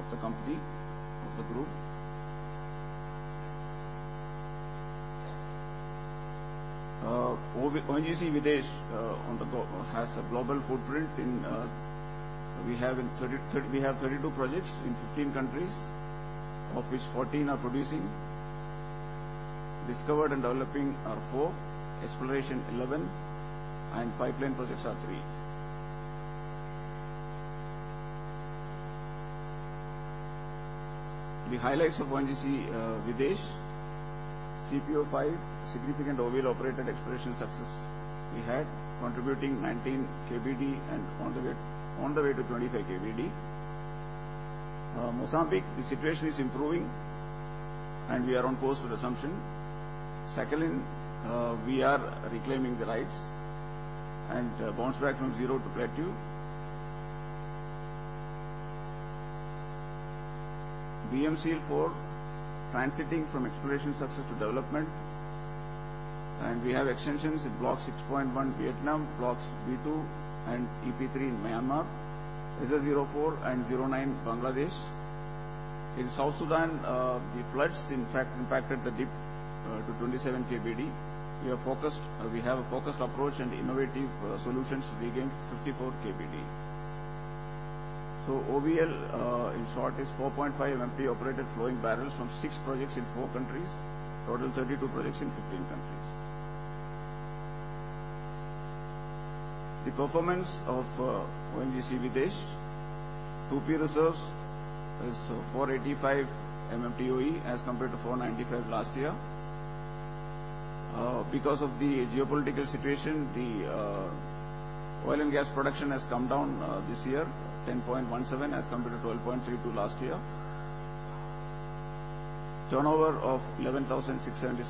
of the company, of the group. ONGC Videsh, on the go, has a global footprint in... We have 32 projects in 15 countries, of which 14 are producing, discovered and developing are 4, exploration 11, and pipeline projects are 3. The highlights of ONGC Videsh. CPO-5, significant OVL operated exploration success we had, contributing 19 KBD and on the way to 25 KBD. Mozambique, the situation is improving, and we are on course with assumption. Sakhalin, we are reclaiming the rights and bounce back from zero to plateau. BMCL-4, transiting from exploration success to development, and we have extensions in Block 6.1, Vietnam, Blocks B-2 and EP-3 in Myanmar, SS-04 and SS-09, Bangladesh. In South Sudan, the floods impact, impacted the dip to 27 KBD. We have a focused approach and innovative solutions to regain 54 KBD. OVL, in short, is 4.5 MP operated flowing barrels from 6 projects in 4 countries, total 32 projects in 15 countries. The performance of ONGC Videsh: 2P reserves is 485 MMTOE as compared to 495 last year. Because of the geopolitical situation, the oil and gas production has come down this year, 10.17, as compared to 12.32 last year. Turnover of 11,676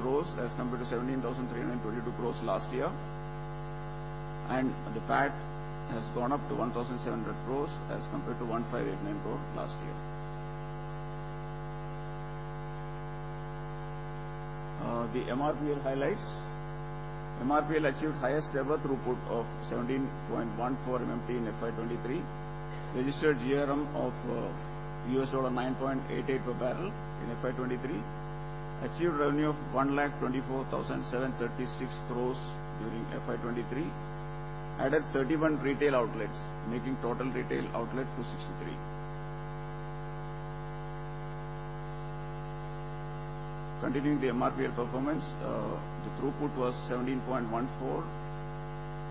crore, as compared to 17,322 crore last year, and the PAT has gone up to 1,700 crore as compared to 1,589 crore last year. The MRPL highlights. MRPL achieved highest ever throughput of 17.14 MMT in FY23, registered GRM of $9.88 per barrel in FY23, achieved revenue of 124,736 crores during FY23, added 31 retail outlets, making total retail outlet to 63. Continuing the MRPL performance, the throughput was 17.14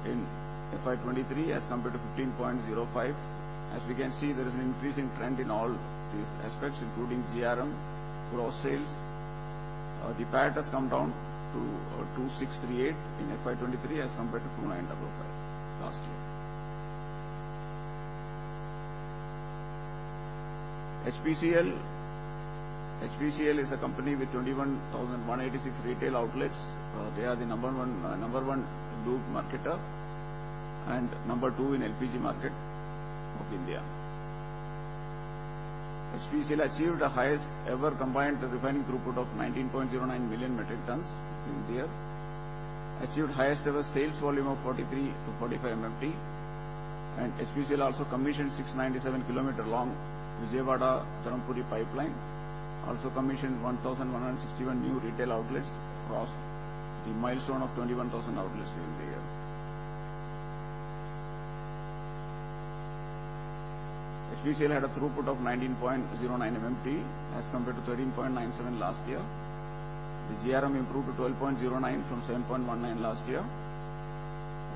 in FY23 as compared to 15.05. As we can see, there is an increasing trend in all these aspects, including GRM gross sales. The PAT has come down to 2,638 in FY23 as compared to 2,955 last year. HPCL. HPCL is a company with 21,186 retail outlets. They are the number one lube marketer and number two in LPG market of India. HPCL achieved the highest ever combined refining throughput of 19.09 million metric tons in the year, achieved highest ever sales volume of 43-45 MMT. HPCL also commissioned 697 kilometer long Vijayawada-Dharmapuri pipeline, also commissioned 1,161 new retail outlets, crossed the milestone of 21,000 outlets during the year. HPCL had a throughput of 19.09 MMT as compared to 13.97 last year. The GRM improved to 12.09 from 7.19 last year.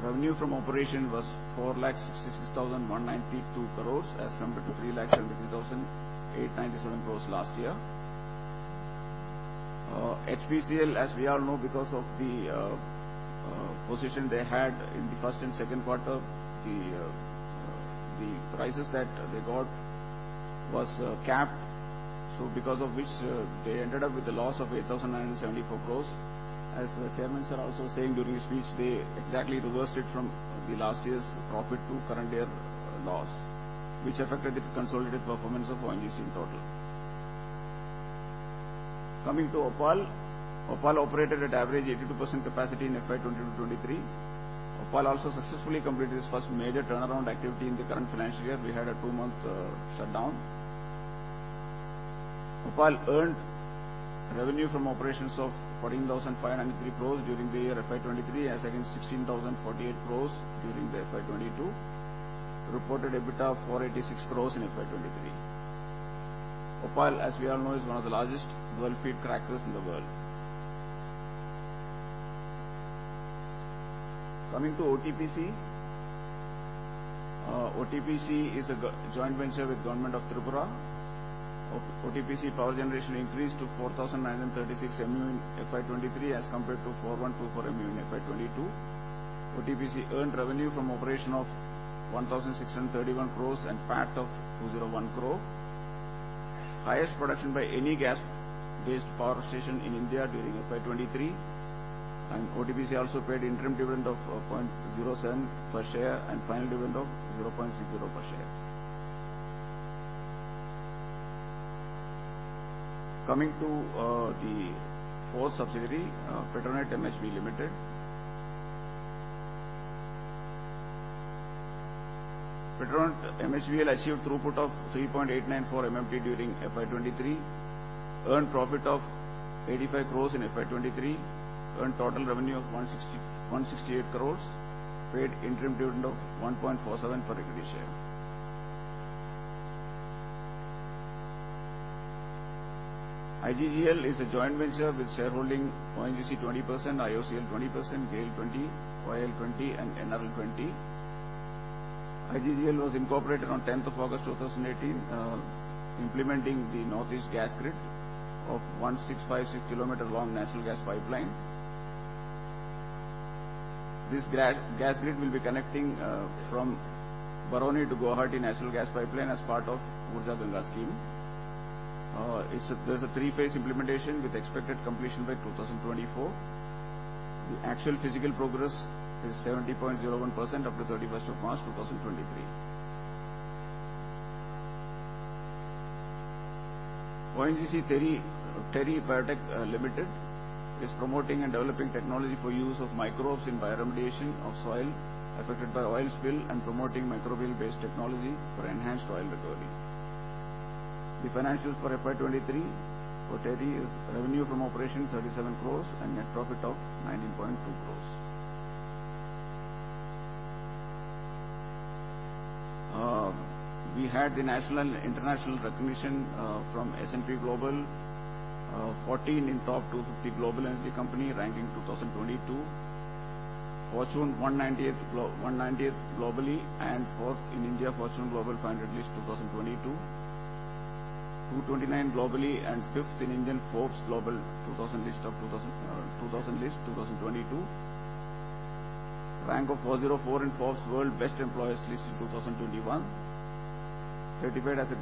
Revenue from operation was 466,192 crores as compared to 373,897 crores last year. HPCL, as we all know, because of the position they had in the first and second quarter, the prices that they got was capped. Because of which, they ended up with a loss of 8,974 crores. As the Chairman, sir, also saying during his speech, they exactly reversed it from the last year's profit to current year loss, which affected the consolidated performance of ONGC in total. Coming to OPaL. OPaL operated at average 82% capacity in FY 2022-23. OPaL also successfully completed its first major turnaround activity in the current financial year. We had a two-month shutdown. OPaL earned revenue from operations of 14,593 crores during the year FY 2023, as against 16,048 crores during the FY 2022. Reported EBITDA of 486 crores in FY 2023. OPaL, as we all know, is one of the largest dual feed crackers in the world. Coming to OTPC. OTPC is a joint venture with Government of Tripura. OTPC power generation increased to 4,936 MMU in FY 2023 as compared to 4,124 MMU in FY 2022. OTPC earned revenue from operation of 1,631 crore and PAT of 201 crore. Highest production by any gas-based power station in India during FY 2023. OTPC also paid interim dividend of 0.07 per share and final dividend of 0.0 per share. The fourth subsidiary, Petronet MHB Limited. Petronet MHBL achieved throughput of 3.894 MMT during FY 2023, earned profit of 85 crore in FY 2023, earned total revenue of 168 crore, paid interim dividend of 1.47 per equity share. IGGL is a joint venture with shareholding ONGC 20%, IOCL 20%, GAIL 20%, OIL 20%, and NRL 20%. IGGL was incorporated on tenth of August, 2018, implementing the Northeast gas grid of 1,656 km long national gas pipeline. This gas grid will be connecting from Barauni to Guwahati national gas pipeline as part of Urja Ganga scheme. There's a three-phase implementation with expected completion by 2024. The actual physical progress is 70.01% up to thirty-first of March, 2023. ONGC TERI Biotech Limited is promoting and developing technology for use of microbes in bioremediation of soil affected by oil spill and promoting microbial-based technology for enhanced oil recovery. The financials for FY 2023 for TERI is revenue from operation, 37 crores, and net profit of 19.2 crores. We had the national, international recognition from S&P Global, 14 in top 250 global energy company ranking 2022. Fortune 190th globally and fourth in India, Fortune Global 500 list 2022. 229 globally and fifth in Indian Forbes Global 2,000 list 2022. Rank of 404 in Forbes World's Best Employers list in 2021. Certified as a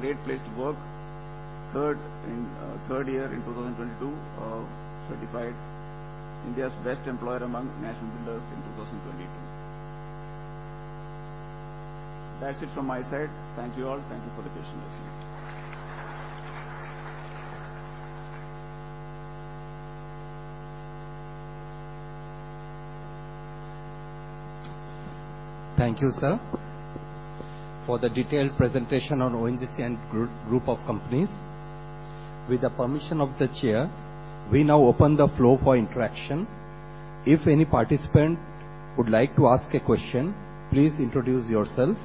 great place to work. third year in 2022, certified India's best employer among national builders in 2022. That's it from my side. Thank you, all. Thank you for the patience listening. Thank you, sir, for the detailed presentation on ONGC and group of companies. With the permission of the chair, we now open the floor for interaction. If any participant would like to ask a question, please introduce yourself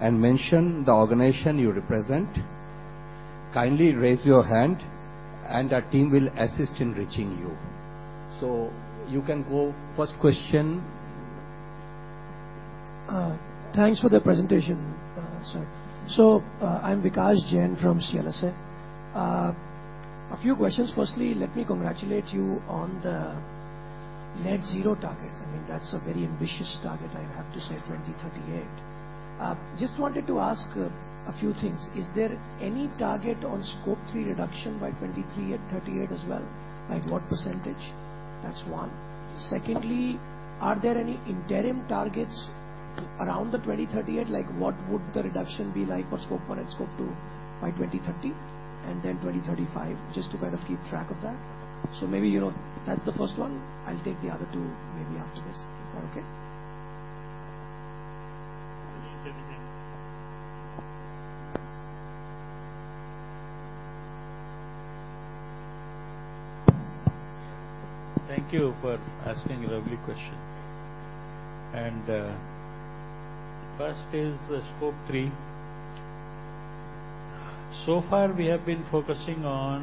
and mention the organization you represent. Kindly raise your hand, and our team will assist in reaching you. You can go, first question. Thanks for the presentation, sir. I'm Vikash Jain from CLSA. A few questions. Firstly, let me congratulate you on the net zero target. I mean, that's a very ambitious target, I have to say, 2038. Just wanted to ask a few things. Is there any target on scope three reduction by 2030 and 2038 as well? Like, what percentage? That's one. Secondly, are there any interim targets around the 2038? Like, what would the reduction be like for scope one and scope two by 2030, and then 2035, just to kind of keep track of that. Maybe, you know, that's the first one. I'll take the other two maybe after this. Is that okay? Thank you for asking lovely question. First is scope three. So far, we have been focusing on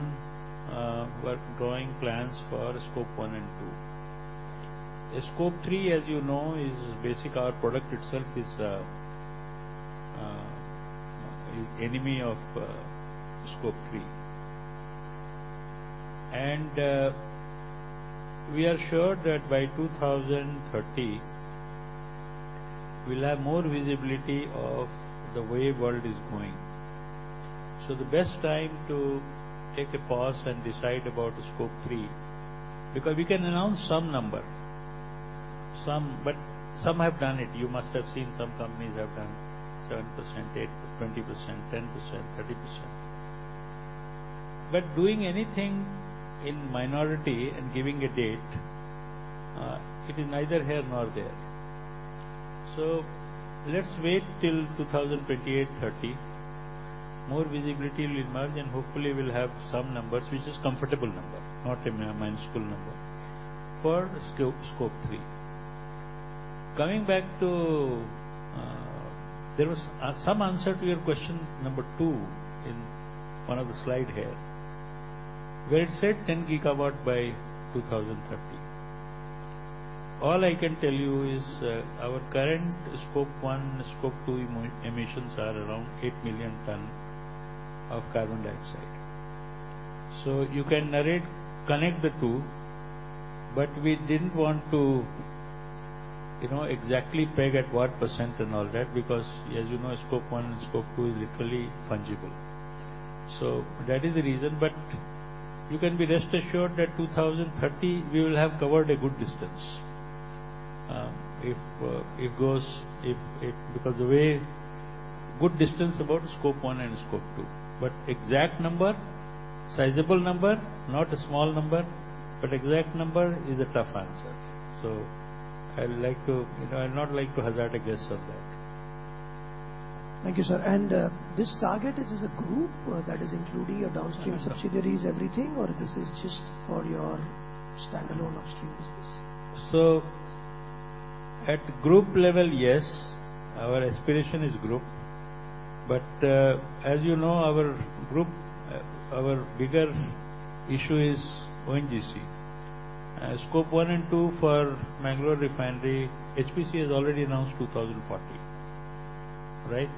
drawing plans for scope one and two. Scope three, as you know, is basic. Our product itself is enemy of scope three. We are sure that by 2030, we'll have more visibility of the way world is going. The best time to take a pause and decide about scope three, because we can announce some number, but some have done it. You must have seen some companies have done 7%, 8%, 20%, 10%, 30%. Doing anything in minority and giving a date, it is neither here nor there. Let's wait till 2028, 30. More visibility will emerge. Hopefully, we'll have some numbers, which is comfortable number, not a minuscule number, for Scope 3. Coming back to... There was some answer to your question number two in one of the slide here, where it said 10 gigawatt by 2030. All I can tell you is, our current Scope 1, Scope 2 emissions are around 8 million ton of carbon dioxide. You can narrate, connect the two, but we didn't want to, you know, exactly peg at what % and all that, because as you know, Scope 1 and Scope 2 is literally fungible. That is the reason, but you can be rest assured that 2030, we will have covered a good distance. If it goes, good distance about scope one and scope two, but exact number, sizable number, not a small number, but exact number is a tough answer. I would like to, you know, I'd not like to hazard a guess on that. Thank you, sir. This target, is this a group, that is including your downstream subsidiaries, everything, or this is just for your standalone upstream business? At group level, yes, our aspiration is group. As you know, our group, our bigger issue is ONGC. Scope one and two for Mangalore Refinery, HPCL has already announced 2014, right?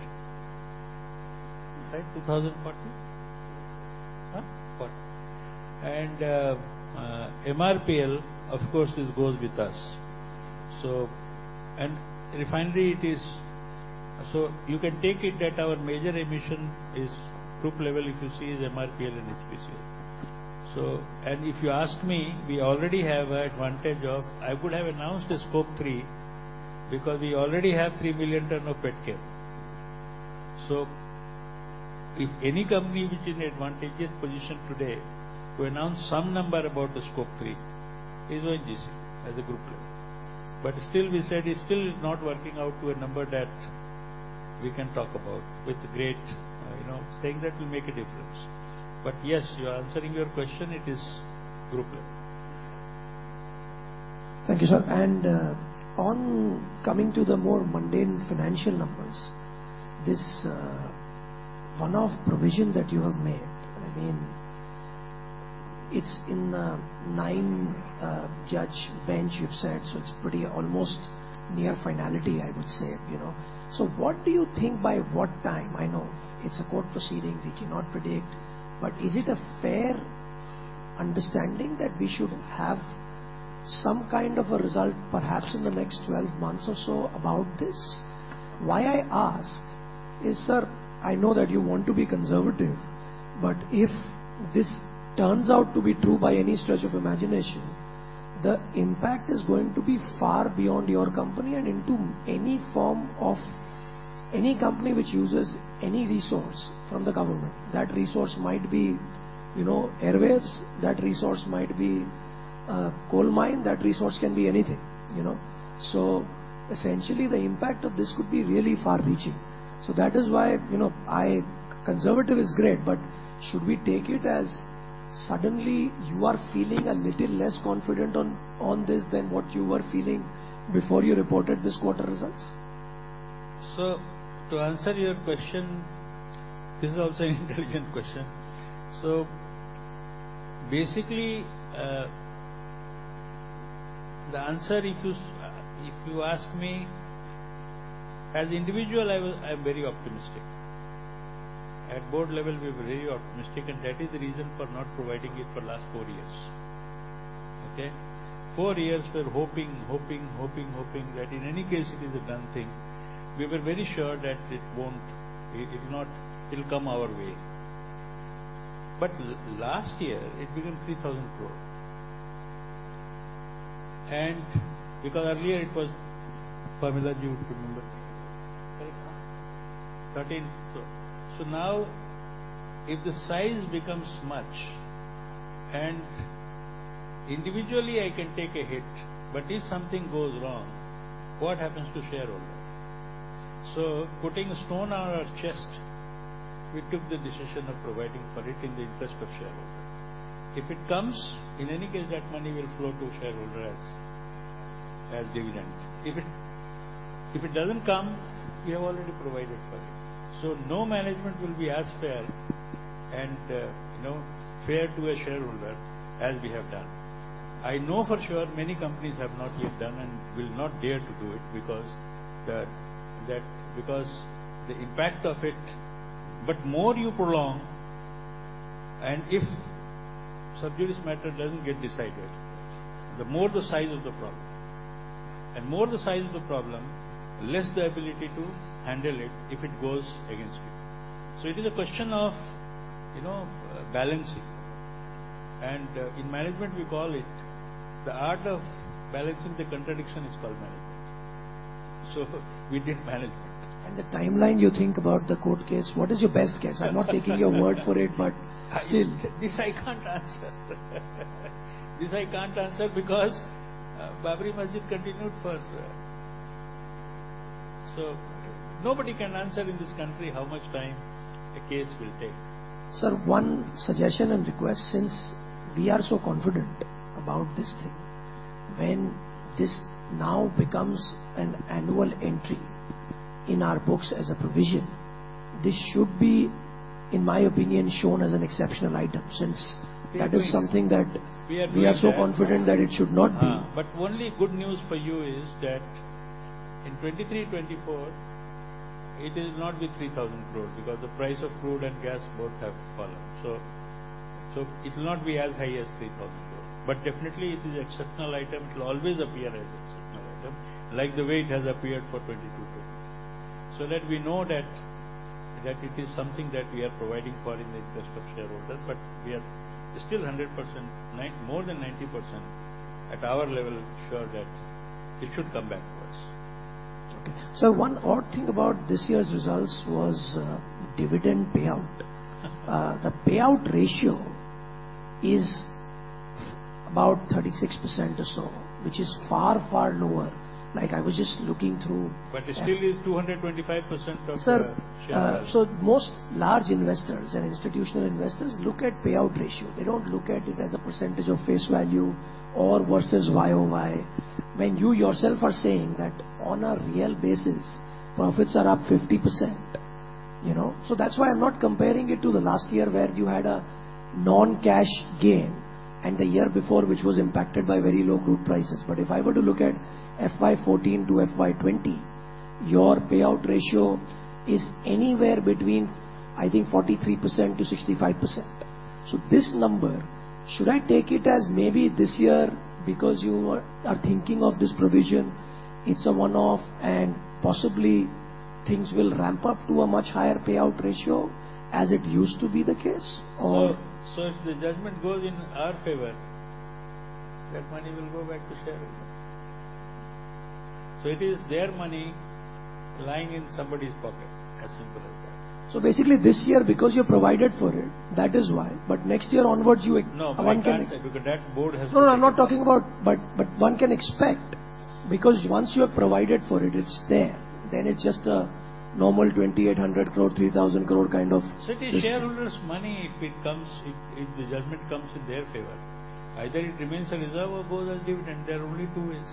Is that 2014? 2014. MRPL, of course, it goes with us. And refinery it is, so you can take it that our major emission is group level, if you see, is MRPL and HPCL. If you ask me, we already have an advantage of I could have announced a scope three, because we already have 3 million ton of petchem. If any company which is in advantageous position today to announce some number about the scope three, is ONGC as a group level. Still we said it's still not working out to a number that we can talk about with great, you know, saying that will make a difference. Yes, you are answering your question, it is group level. Thank you, sir. On coming to the more mundane financial numbers, this one-off provision that you have made, I mean, it's in 9 judge bench, you've said, it's pretty almost near finality, I would say, you know. What do you think by what time? I know it's a court proceeding, we cannot predict, is it a fair understanding that we should have some kind of a result, perhaps in the next 12 months or so, about this? Why I ask is, sir, I know that you want to be conservative, if this turns out to be true by any stretch of imagination, the impact is going to be far beyond your company and into any form of any company which uses any resource from the government. That resource might be, you know, airwaves, that resource might be, coal mine, that resource can be anything, you know. Essentially, the impact of this could be really far-reaching. That is why, you know, conservative is great, but should we take it as suddenly you are feeling a little less confident on this than what you were feeling before you reported this quarter results? To answer your question, this is also an intelligent question. Basically, the answer, if you ask me, as individual, I'm very optimistic. At board level, we were very optimistic, and that is the reason for not providing it for last 4 years. Okay? 4 years, we're hoping that in any case it is a done thing. We were very sure that it'll come our way. Last year, it became 3,000 crore. Because earlier it was Pomila Ji would remember, correct, huh? 13. Now, if the size becomes much, and individually, I can take a hit, but if something goes wrong, what happens to shareholder? Putting a stone on our chest, we took the decision of providing for it in the interest of shareholder. If it comes, in any case, that money will flow to shareholder as dividend. If it doesn't come, we have already provided for it. No management will be as fair and, you know, fair to a shareholder as we have done. I know for sure many companies have not yet done and will not dare to do it because the impact of it. More you prolong, and if subject matter doesn't get decided, the more the size of the problem. More the size of the problem, less the ability to handle it if it goes against you. It is a question of, you know, balancing, and in management, we call it the art of balancing the contradiction is called management. We did management. The timeline you think about the court case, what is your best case? I'm not taking your word for it, but still. This I can't answer. This I can't answer because Babri Masjid continued for. Nobody can answer in this country how much time a case will take. Sir, one suggestion and request, since we are so confident about this thing. When this now becomes an annual entry in our books as a provision, this should be, in my opinion, shown as an exceptional item, since. Agreed. that is something that We are doing that. We are so confident that it should not be. Only good news for you is that in 2023, 2024, it will not be 3,000 crores, because the price of crude and gas both have fallen. It will not be as high as 3,000 crores. Definitely, it is exceptional item. It will always appear as exceptional item, like the way it has appeared for 2022, 2023. That we know that it is something that we are providing for in the interest of shareholder, but we are still 100%, more than 90% at our level, sure that it should come back to us. Okay. One odd thing about this year's results was dividend payout. Yes. The payout ratio is about 36% or so, which is far, far lower. Like, I was just looking through- It still is 225% of. Sir- -shareholders. Most large investors and institutional investors look at payout ratio. They don't look at it as a percentage of face value or versus YOY. When you yourself are saying that on a real basis, profits are up 50%. You know, that's why I'm not comparing it to the last year, where you had a non-cash gain, and the year before, which was impacted by very low crude prices. If I were to look at FY14 to FY20, your payout ratio is anywhere between, I think, 43% to 65%. This number, should I take it as maybe this year because you are thinking of this provision, it's a one-off, and possibly things will ramp up to a much higher payout ratio as it used to be the case, or? If the judgment goes in our favor, that money will go back to shareholders. It is their money lying in somebody's pocket, as simple as that. Basically, this year, because you provided for it, that is why. Next year onwards, you. No, I can't say, because that board. No, I'm not talking about... One can expect, because once you have provided for it's there, then it's just a normal 2,800 crore, 3,000 crore kind of- It is shareholders' money, if it comes, if the judgment comes in their favor, either it remains a reserve or goes as dividend. There are only two ways.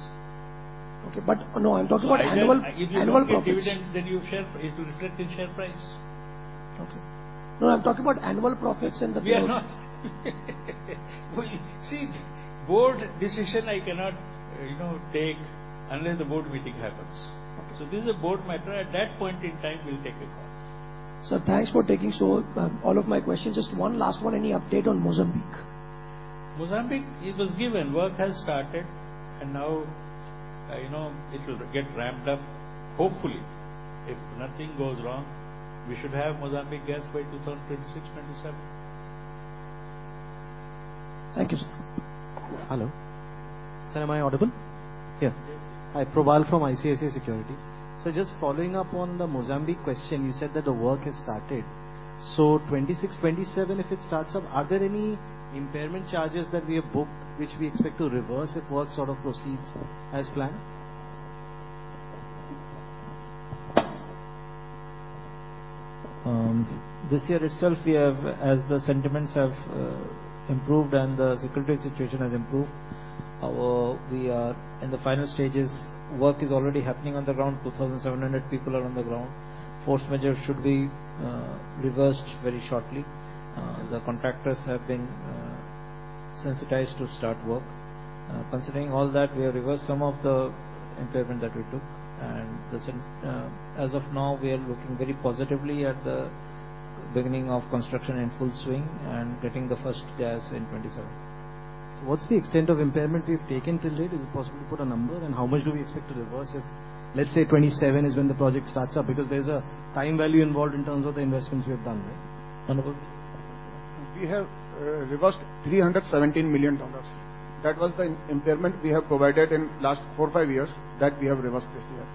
Okay, but no, I'm talking about annual profits. It will reflect in share price. Okay. No, I'm talking about annual profits. We are not. See, board decision, I cannot, you know, take unless the board meeting happens. Okay. This is a board matter. At that point in time, we'll take a call. Sir, thanks for taking all of my questions. Just one last one: Any update on Mozambique? Mozambique, it was given. Work has started, now, you know, it will get ramped up. Hopefully, if nothing goes wrong, we should have Mozambique gas by 2026-2027. Thank you, sir. Hello. Sir, am I audible? Yeah. Yes. I'm Probal from ICICI Securities. Just following up on the Mozambique question, you said that the work has started. 2026, 2027, if it starts up, are there any impairment charges that we have booked, which we expect to reverse if work sort of proceeds as planned? This year itself, as the sentiments have improved and the security situation has improved, we are in the final stages. Work is already happening on the ground. 2,700 people are on the ground. Force majeure should be reversed very shortly. The contractors have been sensitized to start work. Considering all that, we have reversed some of the impairment that we took, and as of now, we are looking very positively at the beginning of construction in full swing and getting the first gas in 2027. What's the extent of impairment we've taken till date? Is it possible to put a number, and how much do we expect to reverse if, let's say, 2027 is when the project starts up? Because there's a time value involved in terms of the investments we have done, right? Manavag! We have reversed $317 million. That was the impairment we have provided in last four, five years, that we have reversed this year.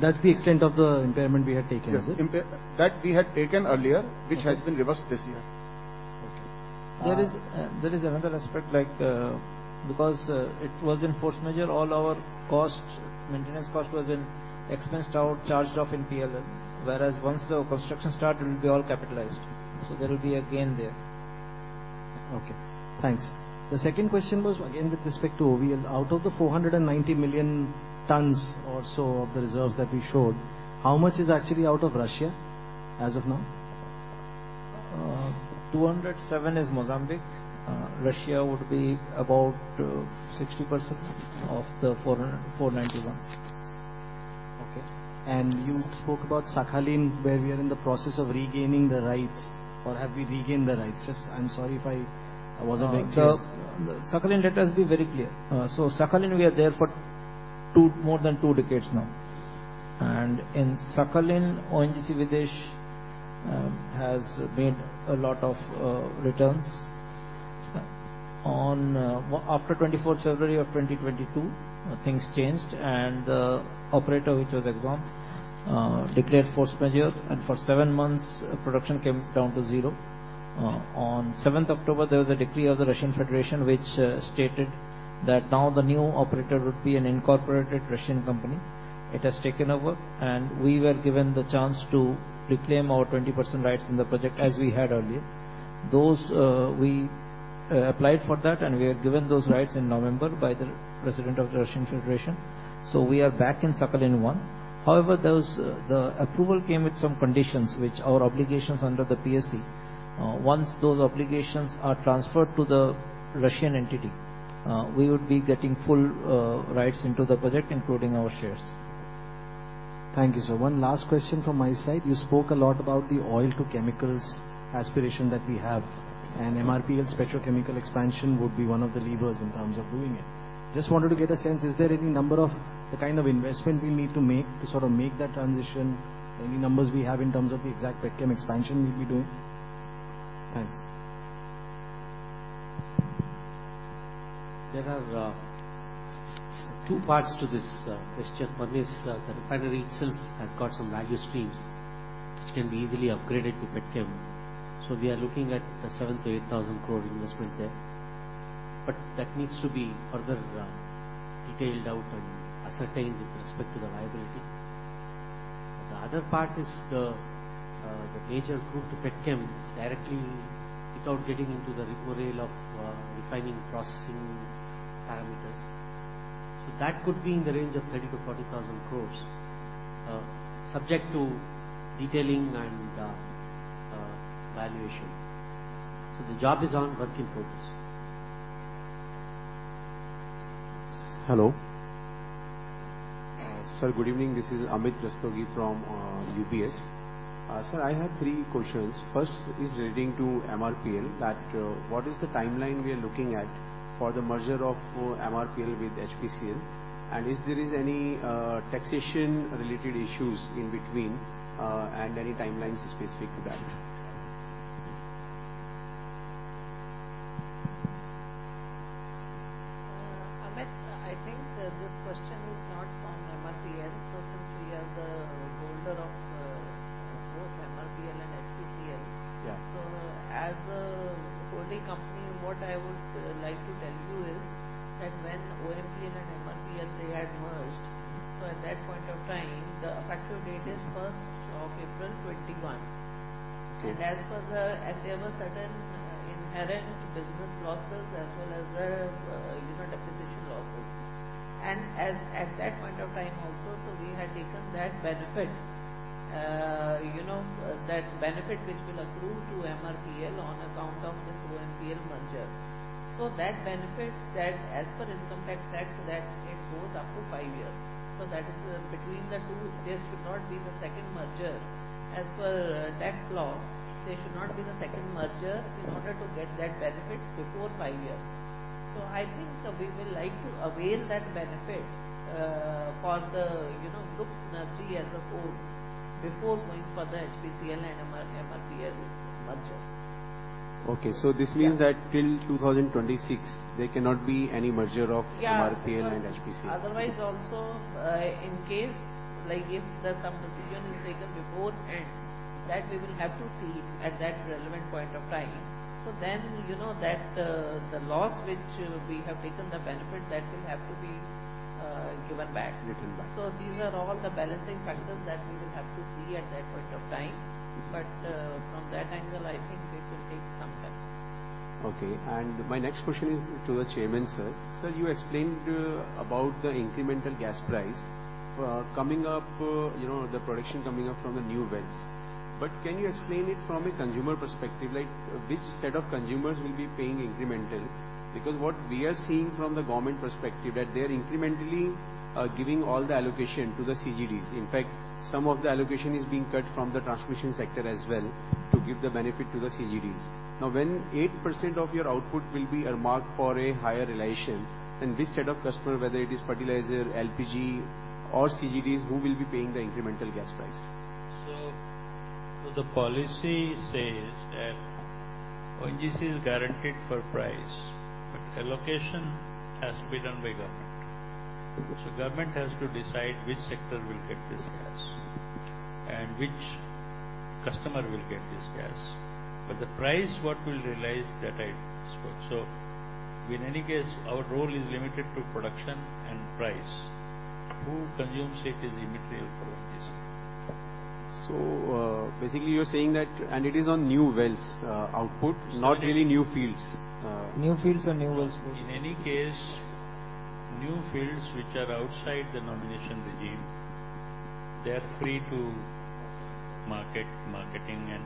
That's the extent of the impairment we had taken, is it? Yes, that we had taken earlier, which has been reversed this year. Okay. There is another aspect, like, because, it was in force majeure, all our cost, maintenance cost, was in expensed out, charged off in PL. Once the construction start, it will be all capitalized. There will be a gain there. Okay, thanks. The second question was again, with respect to OVL. Out of the 490 million tons or so of the reserves that we showed, how much is actually out of Russia as of now? 207 is Mozambique. Russia would be about 60% of the 400, 491. Okay. You spoke about Sakhalin, where we are in the process of regaining the rights, or have we regained the rights? I'm sorry if I wasn't very clear. The Sakhalin, let us be very clear. Sakhalin, we are there for more than 2 decades now, and in Sakhalin, ONGC Videsh has made a lot of returns. After 24th February of 2022, things changed, and the operator, which was ExxonMobil, declared force majeure, and for 7 months, production came down to 0. On 7th October, there was a decree of the Russian Federation, which stated that now the new operator would be an incorporated Russian company. It has taken over, we were given the chance to reclaim our 20% rights in the project, as we had earlier. Those, we applied for that, we are given those rights in November by the president of the Russian Federation. We are back in Sakhalin-1. those, the approval came with some conditions, which our obligations under the PSC. Once those obligations are transferred to the Russian entity, we would be getting full, rights into the project, including our shares. Thank you, sir. One last question from my side. You spoke a lot about the oil to chemicals aspiration that we have. MRPL petrochemical expansion would be one of the levers in terms of doing it. Just wanted to get a sense, is there any number of the kind of investment we need to make to sort of make that transition? Any numbers we have in terms of the exact petchem expansion we'll be doing? Thanks. There are two parts to this question. One is the refinery itself has got some value streams which can be easily upgraded to petchem, so we are looking at an 7,000-8,000 crore investment there, but that needs to be further detailed out and ascertained with respect to the viability. The other part is the major move to petchem is directly without getting into the rigmarole of refining processing parameters. ...that could be in the range of 30,000-40,000 crores, subject to detailing and valuation. The job is on work in progress. Hello. sir, good evening, this is Amit Rustagi from UBS. sir, I have three questions. First is relating to MRPL, that, what is the timeline we are looking at for the merger of MRPL with HPCL? Is there is any taxation-related issues in between and any timelines specific to that? Amit, I think that this question is not on MRPL. Since we are the holder of both MRPL and HPCL. Yeah. As a holding company, what I would like to tell you is that when OMPL and MRPL, they had merged, so at that point of time, the effective date is 1st of April, 2021. Okay. As for the, there were certain inherent business losses as well as, you know, acquisition losses. As that point of time also, we had taken that benefit, you know, that benefit which will accrue to MRPL on account of this OMPL merger. That benefit, as per income tax, that it goes up to five years. That is between the two, there should not be the second merger. As per tax law, there should not be the second merger in order to get that benefit before five years. I think we will like to avail that benefit for the, you know, group's energy as a whole before going for the HPCL and MRPL merger. This means that till 2026, there cannot be any merger. Yeah. MRPL and HPCL. Also, in case, like if there's some decision is taken before and that we will have to see at that relevant point of time, you know that the loss which we have taken the benefit, that will have to be given back. Given back. These are all the balancing factors that we will have to see at that point of time. From that angle, I think it will take some time. Okay. My next question is to the Chairman, sir. Sir, you explained about the incremental gas price coming up, you know, the production coming up from the new wells. Can you explain it from a consumer perspective, like which set of consumers will be paying incremental? What we are seeing from the government perspective, that they are incrementally giving all the allocation to the CGDs. In fact, some of the allocation is being cut from the transmission sector as well to give the benefit to the CGDs. When 8% of your output will be earmarked for a higher realization, then which set of customer, whether it is fertilizer, LPG or CGDs, who will be paying the incremental gas price? The policy says that ONGC is guaranteed for price, but allocation has to be done by government. Government has to decide which sector will get this gas and which customer will get this gas. The price, what we'll realize, that I spoke. In any case, our role is limited to production and price. Who consumes it is immaterial for ONGC. Basically, you're saying and it is on new wells, output, not really new fields. New fields or new wells. In any case, new fields which are outside the nomination regime, they are free to market, marketing and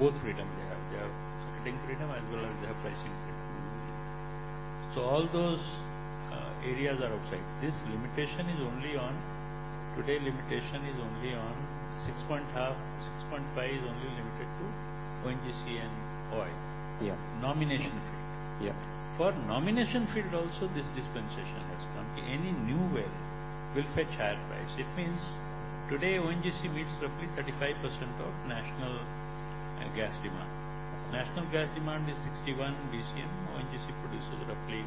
also both freedom they have. They have selling freedom as well as they have pricing freedom. Mm-hmm. All those areas are outside. Today, limitation is only on $6.5 is only limited to ONGC and OIL. Yeah. Nomination field. Yeah. For nomination field also, this dispensation has come. Any new well will fetch higher price. It means today, ONGC meets roughly 35% of national gas demand. National gas demand is 61 BCM, ONGC produces roughly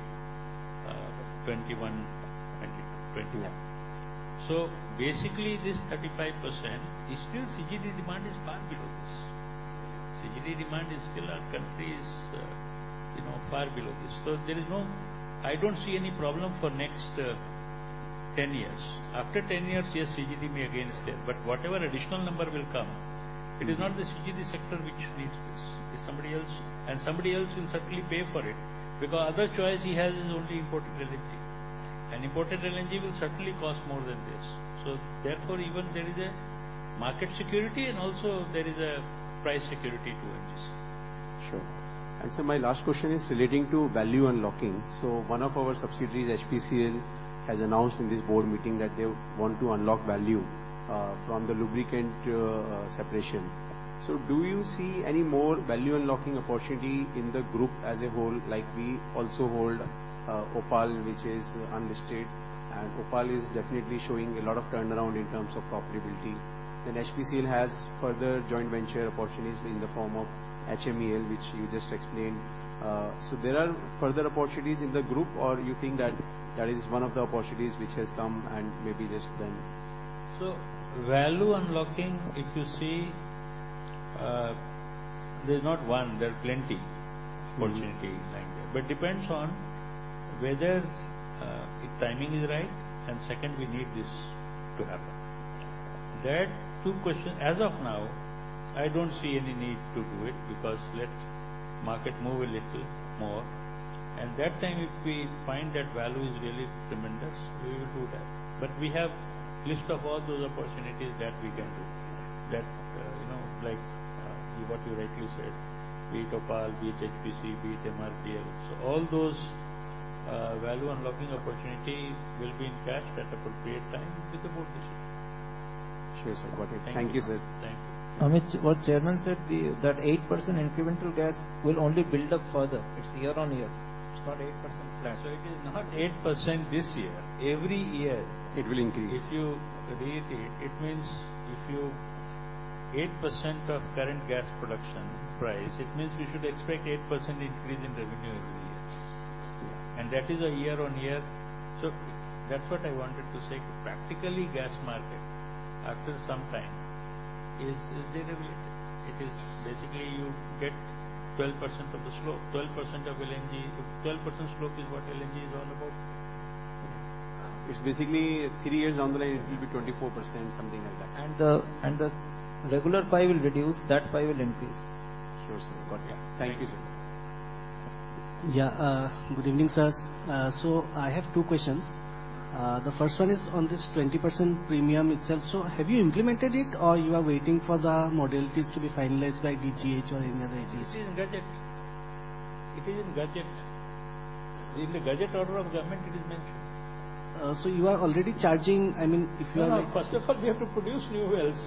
21. Basically, this 35% is still CGD demand is far below this. CGD demand is still our country's, you know, far below this. I don't see any problem for next 10 years. After 10 years, yes, CGD may again stay, but whatever additional number will come, it is not the CGD sector which needs this. It's somebody else, and somebody else will certainly pay for it, because other choice he has is only imported LNG. Imported LNG will certainly cost more than this. Therefore, even there is a market security and also there is a price security to ONGC. Sure. My last question is relating to value unlocking. One of our subsidiaries, HPCL, has announced in this board meeting that they want to unlock value from the lubricant separation. Do you see any more value unlocking opportunity in the group as a whole? Like, we also hold OPaL, which is unlisted, and OPaL is definitely showing a lot of turnaround in terms of profitability. HPCL has further joint venture opportunities in the form of HMEL, which you just explained. There are further opportunities in the group, or you think that that is one of the opportunities which has come and maybe just done? Value unlocking, if you see, there's not one, there are plenty opportunity lying there. Depends on whether, if timing is right, and second, we need this to happen. That two questions, as of now, I don't see any need to do it, because let market move a little more, and that time, if we find that value is really tremendous, we will do that. We have list of all those opportunities that we can do. That, you know, like, what you rightly said, be it OPaL, be it HPCL, be it MRPL. All those value unlocking opportunities will be encashed at appropriate time with the board decision. Sure, sir. Got it. Thank you. Thank you, sir. Thank you. Amit, what Chairman said, that 8% incremental gas will only build up further. It's year-on-year. It's not 8% flat. It is not 8% this year. It will increase. If you read it means 8% of current gas production price, it means we should expect 8% increase in revenue every year. Yeah. That is a year-over-year. That's what I wanted to say. Practically, gas market, after some time, is there a limit? It is basically you get 12% of the slope, 12% of LNG. 12% slope is what LNG is all about. It's basically three years down the line, it will be 24%, something like that. The regular pie will reduce, that pie will increase. Sure, sir. Got it. Thank you, sir. Yeah, good evening, sirs. I have 2 questions. The first one is on this 20% premium itself. Have you implemented it, or you are waiting for the modalities to be finalized by DGH or any other agencies? It is in gazette. In the gazette order of government, it is mentioned. You are already charging, I mean, if you are like- No, no, first of all, we have to produce new wells.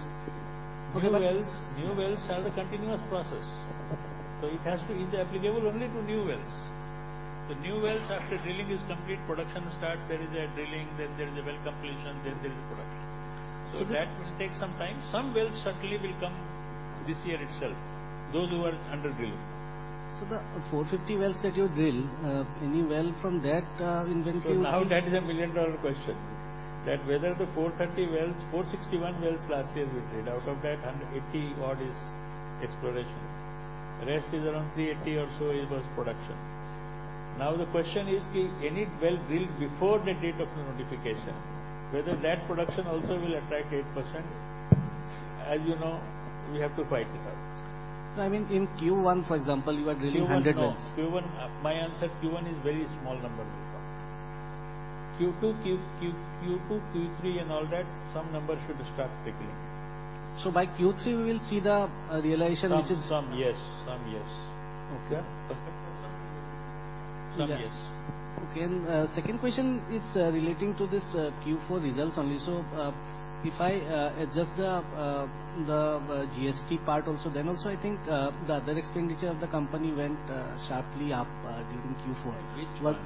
New wells. New wells are a continuous process. It has to be applicable only to new wells. The new wells, after drilling is complete, production starts. There is a drilling. There is a well completion. There is production. So this- That will take some time. Some wells certainly will come this year itself, those who are under drilling. The 450 wells that you drill, any well from that. Now that is a million-dollar question, that whether the 430 wells, 461 wells last year we drilled. Out of that, 180 odd is exploration. The rest is around 380 or so it was production. Now, the question is, if any well drilled before the date of the notification, whether that production also will attract 8%? As you know, we have to fight with that. No, I mean, in Q1, for example, you are drilling 100 wells. Q1, no. Q1, my answer, Q1 is very small number will come. Q2, Q3 and all that, some numbers should start trickling. by Q3, we will see the realization. Some, yes. Some, yes. Okay. Some, yes. Okay. second question is relating to this Q4 results only. if I adjust the GST part also, then also, I think, the other expenditure of the company went sharply up during Q4. Which one?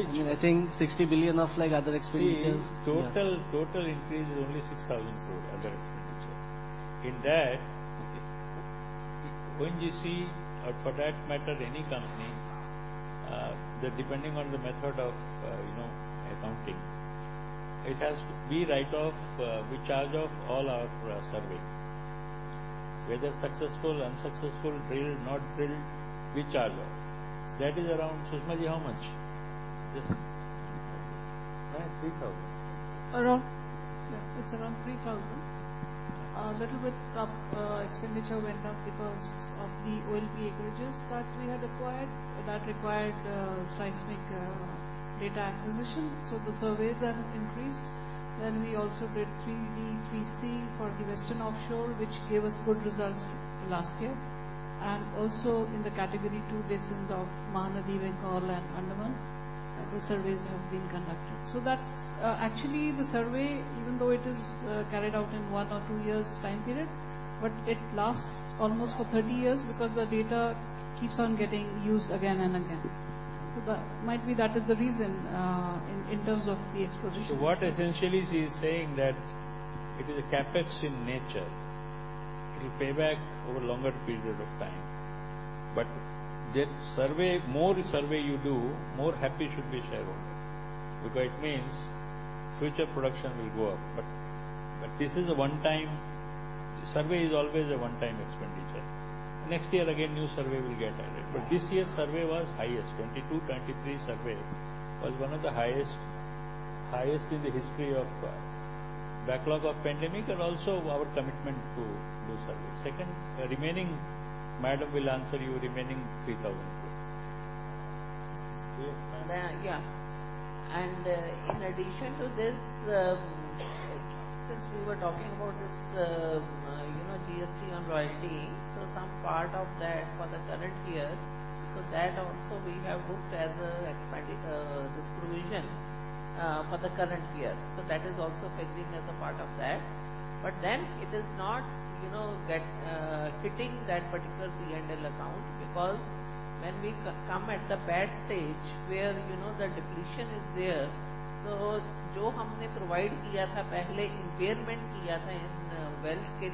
I mean, I think 60 billion of like other expenditures. See, total increase is only 6,000 crore other expenditure. In that, ONGC or for that matter, any company, depending on the method of, you know, accounting, we write off, we charge off all our survey, whether successful or unsuccessful, drilled, not drilled, we charge off. That is around... Sushma, how much? 3,000. It's around 3,000. Little bit up, expenditure went up because of the OALP acreages that we had acquired, that required seismic data acquisition, the surveys have increased. We also did 3D, 3C for the western offshore, which gave us good results last year, and also in the Category II basins of Mahanadi, Bengal and Andaman, those surveys have been conducted. That's actually the survey, even though it is carried out in 1 or 2 years time period, but it lasts almost for 30 years because the data keeps on getting used again and again. That might be that is the reason in terms of the exploration. What essentially she is saying that it is a CapEx in nature. It will pay back over longer period of time. The survey, more survey you do, more happy should be shareholder, because it means future production will go up. Survey is always a one-time expenditure. Next year, again, new survey will get added. Yeah. This year's survey was highest, 22, 23 surveys was one of the highest in the history of backlog of pandemic and also our commitment to do surveys. Second, the remaining, madam will answer you, remaining 3,000 INR. Yeah. In addition to this, since we were talking about this, you know, GST on royalty, some part of that for the current year, that also we have booked as an expanded provision for the current year. That is also fixing as a part of that. It is not, you know, hitting that particular P&L account, because when we come at the bad stage where, you know, the depletion is there, jo humne provide kiya tha pehle impairment kiya tha in wells ke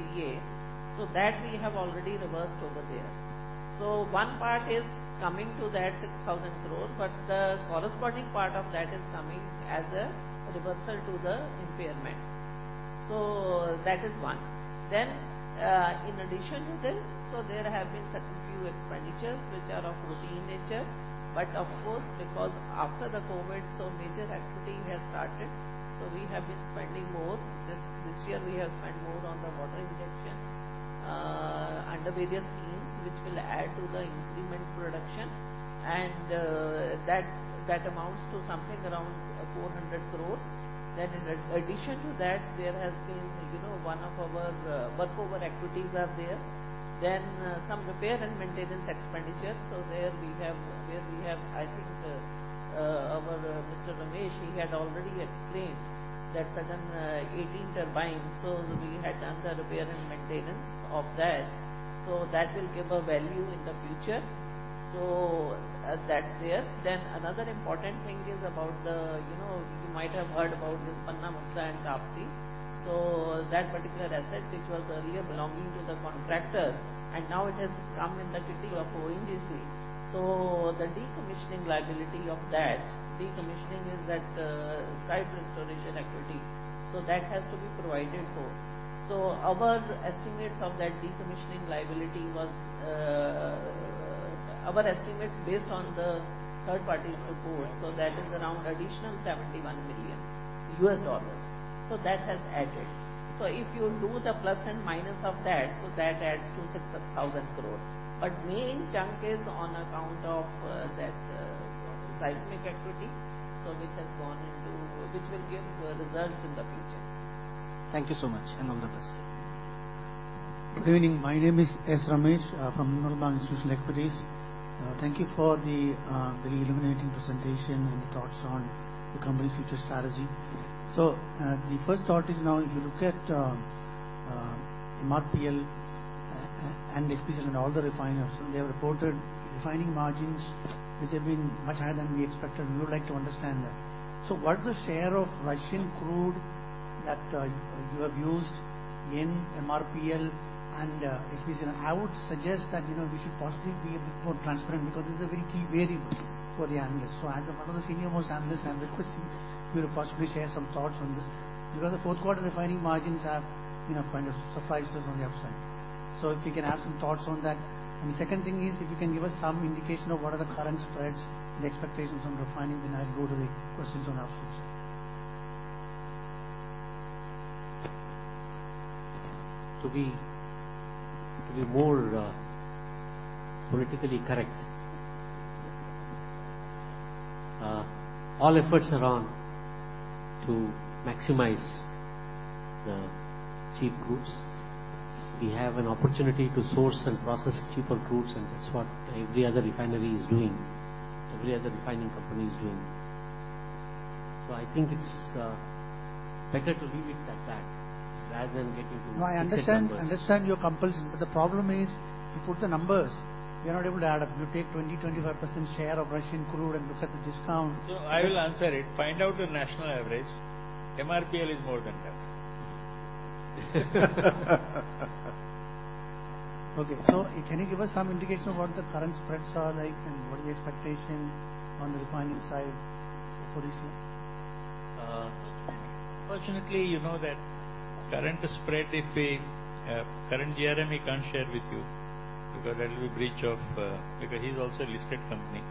liye, that we have already reversed over there. One part is coming to that 6,000 crore, but the corresponding part of that is coming as a reversal to the impairment. That is one. In addition to this, there have been certain few expenditures which are of routine nature, but of course, because after the COVID, major activity has started, we have been spending more. This year we have spent more on the water injection under various schemes, which will add to the increment production, and that amounts to something around 400 crore. In addition to that, there has been, you know, one of our workover activities are there. Some repair and maintenance expenditures. There we have, I think, our Mr. K.C. Ramesh, he had already explained that certain 18 turbines, so we had done the repair and maintenance of that, so that will give a value in the future. That's there. Another important thing is about the, you know, you might have heard about this Panna Mukta and Tapti. That particular asset, which was earlier belonging to the contractor, and now it has come in the kitty of ONGC. The decommissioning liability of that, decommissioning is that site restoration activity. That has to be provided for. Our estimates of that decommissioning liability was, our estimates based on the third party's report, so that is around additional $71 million. That has added. If you do the plus and minus of that, so that adds to 6,000 crore. Main chunk is on account of that seismic activity, which has gone into which will give results in the future. Thank you so much, and all the best. Good evening. My name is S. Ramesh from Nomura Institutional Equities. Thank you for the very illuminating presentation and thoughts on the company's future strategy. The first thought is now if you look at MRPL and HPCL and all the refiners, they have reported refining margins, which have been much higher than we expected, and we would like to understand that. What's the share of Russian crude that you have used in MRPL and HPCL? I would suggest that, you know, we should possibly be a bit more transparent, because this is a very key variable for the analysts. As one of the senior most analysts, I'm requesting you to possibly share some thoughts on this, because the fourth quarter refining margins have, you know, kind of surprised us on the upside. If you can have some thoughts on that. The second thing is, if you can give us some indication of what are the current spreads and expectations on refining. I'll go to the questions on upstreams. To be more politically correct, all efforts are on to maximize the cheap crudes. We have an opportunity to source and process cheaper crudes, and that's what every other refining company is doing. I think it's better to leave it at that, rather than get into. No, I understand your compulsion. The problem is, you put the numbers, we are not able to add up. You take 20, 25% share of Russian crude and look at the discount. I will answer it. Find out the national average. MRPL is more than that. Okay. Can you give us some indication of what the current spreads are like, and what is the expectation on the refining side for this year? Unfortunately, you know that current spread, if we, current GRM, we can't share with you, because that will be a breach of. He's also a listed company,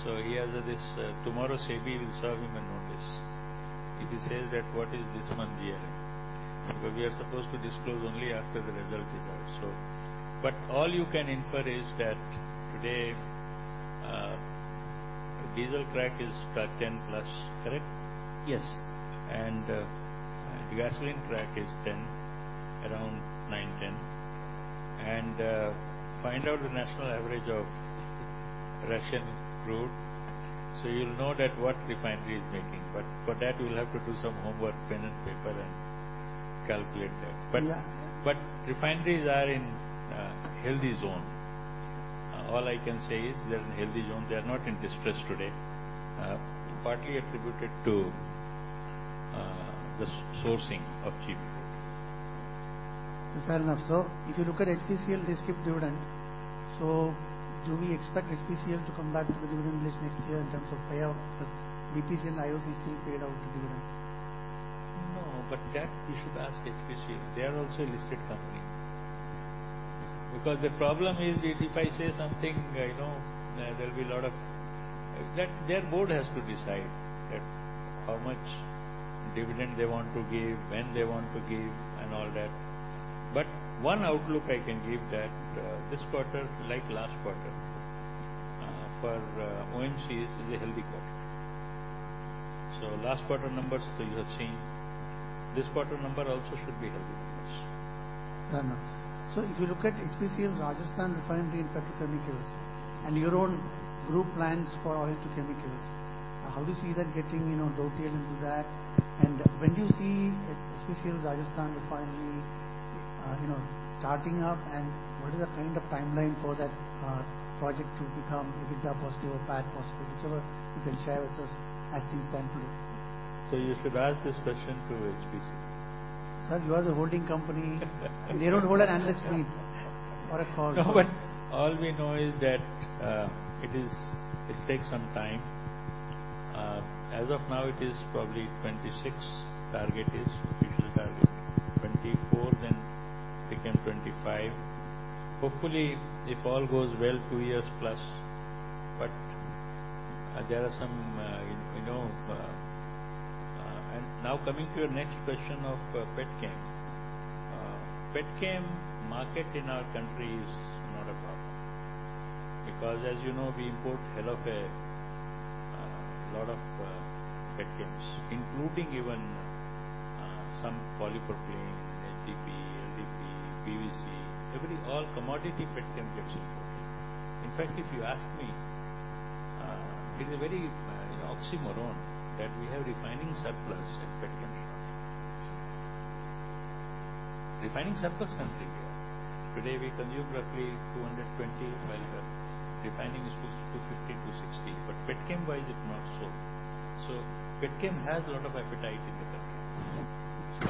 so he has this, tomorrow, SEBI will serve him a notice if he says that, "What is this month's GRM?" We are supposed to disclose only after the result is out, so. All you can infer is that today, diesel crack is plus ten plus, correct? Yes. The gasoline crack is 10, around 9-10. Find out the national average of Russian crude, so you'll know that what refinery is making. For that, you'll have to do some homework, pen and paper, and calculate that. Yeah. Refineries are in healthy zone. All I can say is they're in healthy zone. They are not in distress today, partly attributed to the sourcing of cheap crude. Fair enough. If you look at HPCL, they skipped dividend. Do we expect HPCL to come back to the dividend list next year in terms of payout? BPCL and IOC still paid out dividend. That you should ask HPCL. They are also a listed company. The problem is, if I say something, you know, there will be a lot of. Their board has to decide that how much dividend they want to give, when they want to give, and all that. One outlook I can give that, this quarter, like last quarter, for ONGC, is a healthy quarter. Last quarter numbers, you have seen, this quarter number also should be healthy numbers. Fair enough. If you look at HPCL's Rajasthan Refinery and Petrochemicals, and your own group plans for oil to chemicals, how do you see that getting, you know, dovetail into that? When do you see HPCL's Rajasthan Refinery, you know, starting up, and what is the kind of timeline for that project to become EBITDA positive or PAT positive, whichever you can share with us as things stand today? You should ask this question to HPCL. Sir, you are the holding company. You don't hold an analyst meet for a call. No, all we know is that, it takes some time.... As of now, it is probably 26. Target is, official target, 24, then became 25. Hopefully, if all goes well, 2 years plus, but there are some, you know... Now coming to your next question of petchem. Petchem market in our country is not a problem, because as you know, we import hell of a lot of petchems, including even some polypropylene, HDPE, LDPE, PVC, all commodity petchem gets imported. In fact, if you ask me, it is a very oxymoron that we have refining surplus and petchem shortage. Refining surplus country we are. Today, we consume roughly 220, while the refining is 250-260, but petchem-wise, it's not so. Petchem has a lot of appetite in the country.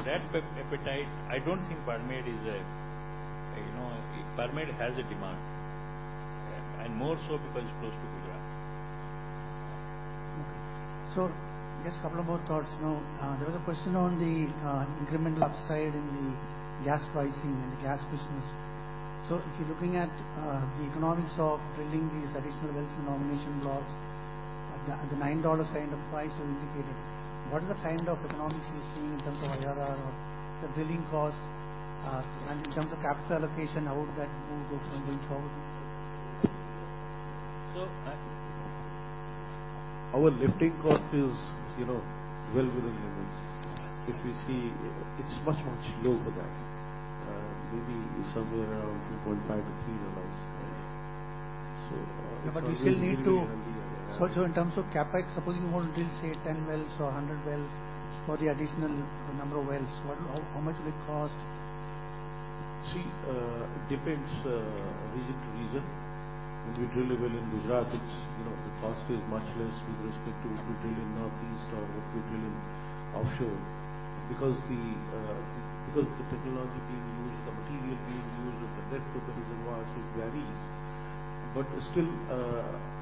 That appetite, I don't think Barmer has a demand, and more so because it's close to Gujarat. Okay. Just a couple of more thoughts now. There was a question on the incremental upside in the gas pricing and gas business. If you're looking at the economics of drilling these additional wells and nomination blocks, at the $9 kind of price you indicated, what is the kind of economics you're seeing in terms of IRR or the drilling costs, and in terms of capital allocation, how would that move go from going forward? Our lifting cost is, you know, well within limits. If you see, it's much, much lower than that. Maybe somewhere around $2.5 to $3. You still need to... In terms of CapEx, supposing you want to drill, say, 10 wells or 100 wells for the additional number of wells, how much will it cost? See, it depends, region to region. If you drill a well in Gujarat, it's, you know, the cost is much less with respect to if you drill in Northeast or if you drill in offshore, because the technology being used, the material being used, and the network that is involved, it varies. Still,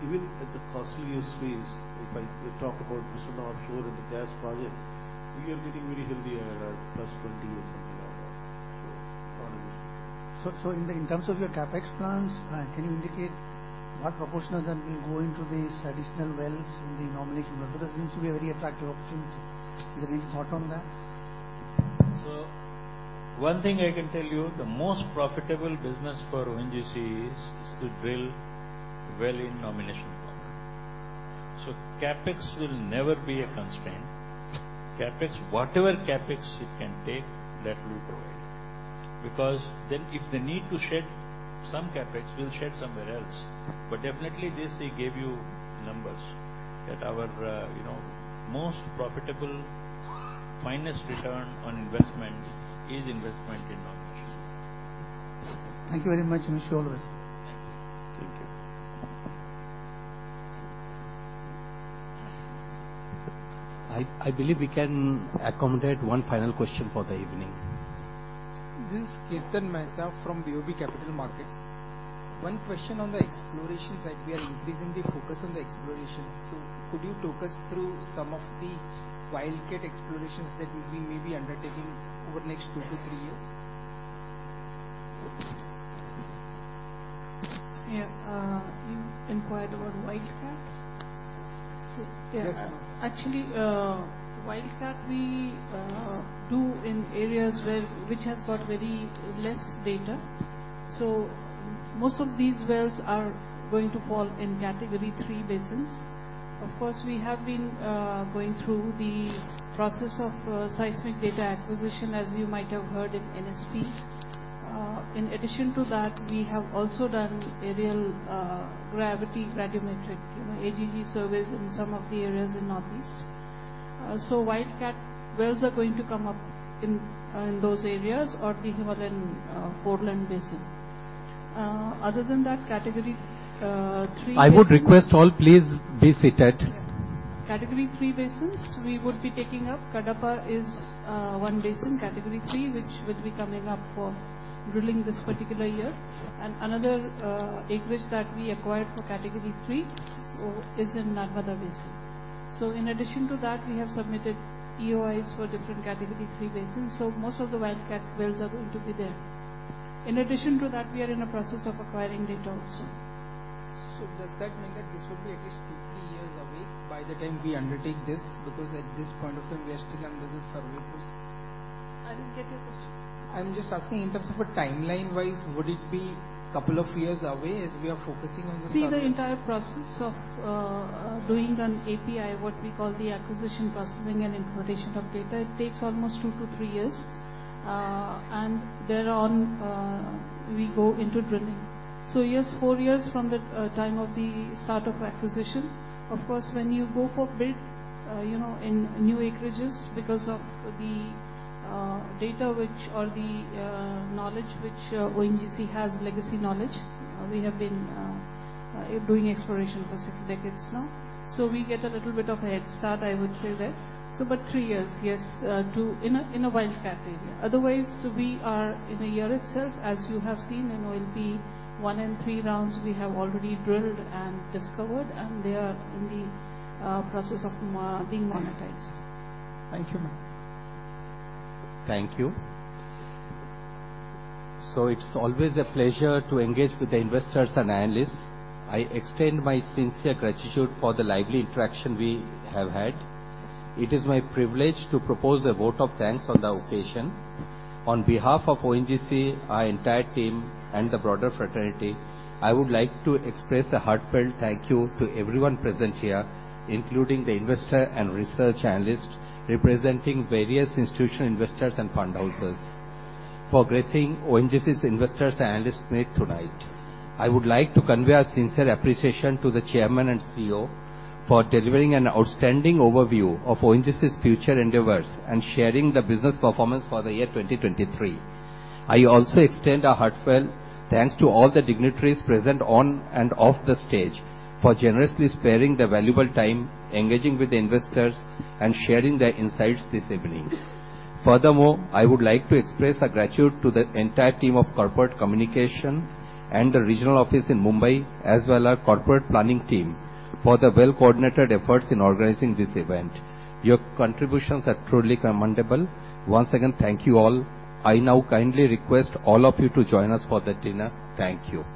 even at the costliest phase, if I talk about offshore and the gas project, we are getting very healthy IRR, plus 20% or something like that. on this. In terms of your CapEx plans, can you indicate what proportion of that will go into these additional wells in the nomination? Because it seems to be a very attractive opportunity. Is there any thought on that? One thing I can tell you, the most profitable business for ONGC is to drill well in nomination. CapEx will never be a constraint. CapEx, whatever CapEx it can take, that we will provide, because then if they need to shed some CapEx, we'll shed somewhere else. Definitely, this, we gave you numbers, that our, you know, most profitable finest return on investment is investment in nomination. Thank you very much, Mr. Olway. Thank you. Thank you. I believe we can accommodate one final question for the evening. This is Kirtan Mehta from BOB Capital Markets. One question on the explorations, that we are increasingly focused on the exploration. Could you talk us through some of the wildcat explorations that we may be undertaking over the next two to three years? Yeah, you inquired about wildcat? Yes. Yes. Actually, wildcat, we do in areas which has got very less data. So most of these wells are going to fall in Category 3 basins. Of course, we have been going through the process of seismic data acquisition, as you might have heard in NSPs. In addition to that, we have also done aerial gravity gradometric, you know, AGG surveys in some of the areas in Northeast. So wildcat wells are going to come up in those areas or the Himalayan Foreland Basin. Other than that, Category. I would request all, please be seated. Yeah. Category 3 basins, we would be taking up. Cuddapah is 1 basin, Category 3, which will be coming up for drilling this particular year. Another acreage that we acquired for Category 3 is in Narmada Basin. In addition to that, we have submitted EoIs for different Category 3 basins, so most of the wildcat wells are going to be there. In addition to that, we are in a process of acquiring data also. Does that mean that this would be at least 2-3 years away by the time we undertake this? Because at this point of time, we are still under the survey process. I didn't get your question. I'm just asking in terms of a timeline-wise, would it be couple of years away as we are focusing on? The entire process of doing an API, what we call the acquisition, processing, and implementation of data, it takes almost 2-3 years. Thereon, we go into drilling. Yes, 4 years from the time of the start of acquisition. When you go for bid, you know, in new acreages because of the data which or the knowledge, which ONGC has legacy knowledge, we have been doing exploration for 6 decades now. We get a little bit of a head start, I would say there. About 3 years, yes, in a wildcat area. Otherwise, we are in a year itself, as you have seen in OMP, one in three rounds, we have already drilled and discovered, and they are in the process of being monetized. Thank you, ma'am. Thank you. It's always a pleasure to engage with the investors and analysts. I extend my sincere gratitude for the lively interaction we have had. It is my privilege to propose a vote of thanks on the occasion. On behalf of ONGC, our entire team, and the broader fraternity, I would like to express a heartfelt thank you to everyone present here, including the investor and research analyst, representing various institutional investors and fund houses, for gracing ONGC's investors and analyst meet tonight. I would like to convey our sincere appreciation to the Chairman and CEO for delivering an outstanding overview of ONGC's future endeavors and sharing the business performance for the year 2023. I also extend a heartfelt thanks to all the dignitaries present on and off the stage for generously sparing the valuable time, engaging with the investors, and sharing their insights this evening. Furthermore, I would like to express a gratitude to the entire team of corporate communication and the regional office in Mumbai, as well as our corporate planning team, for the well-coordinated efforts in organizing this event. Your contributions are truly commendable. Once again, thank you all. I now kindly request all of you to join us for the dinner. Thank you.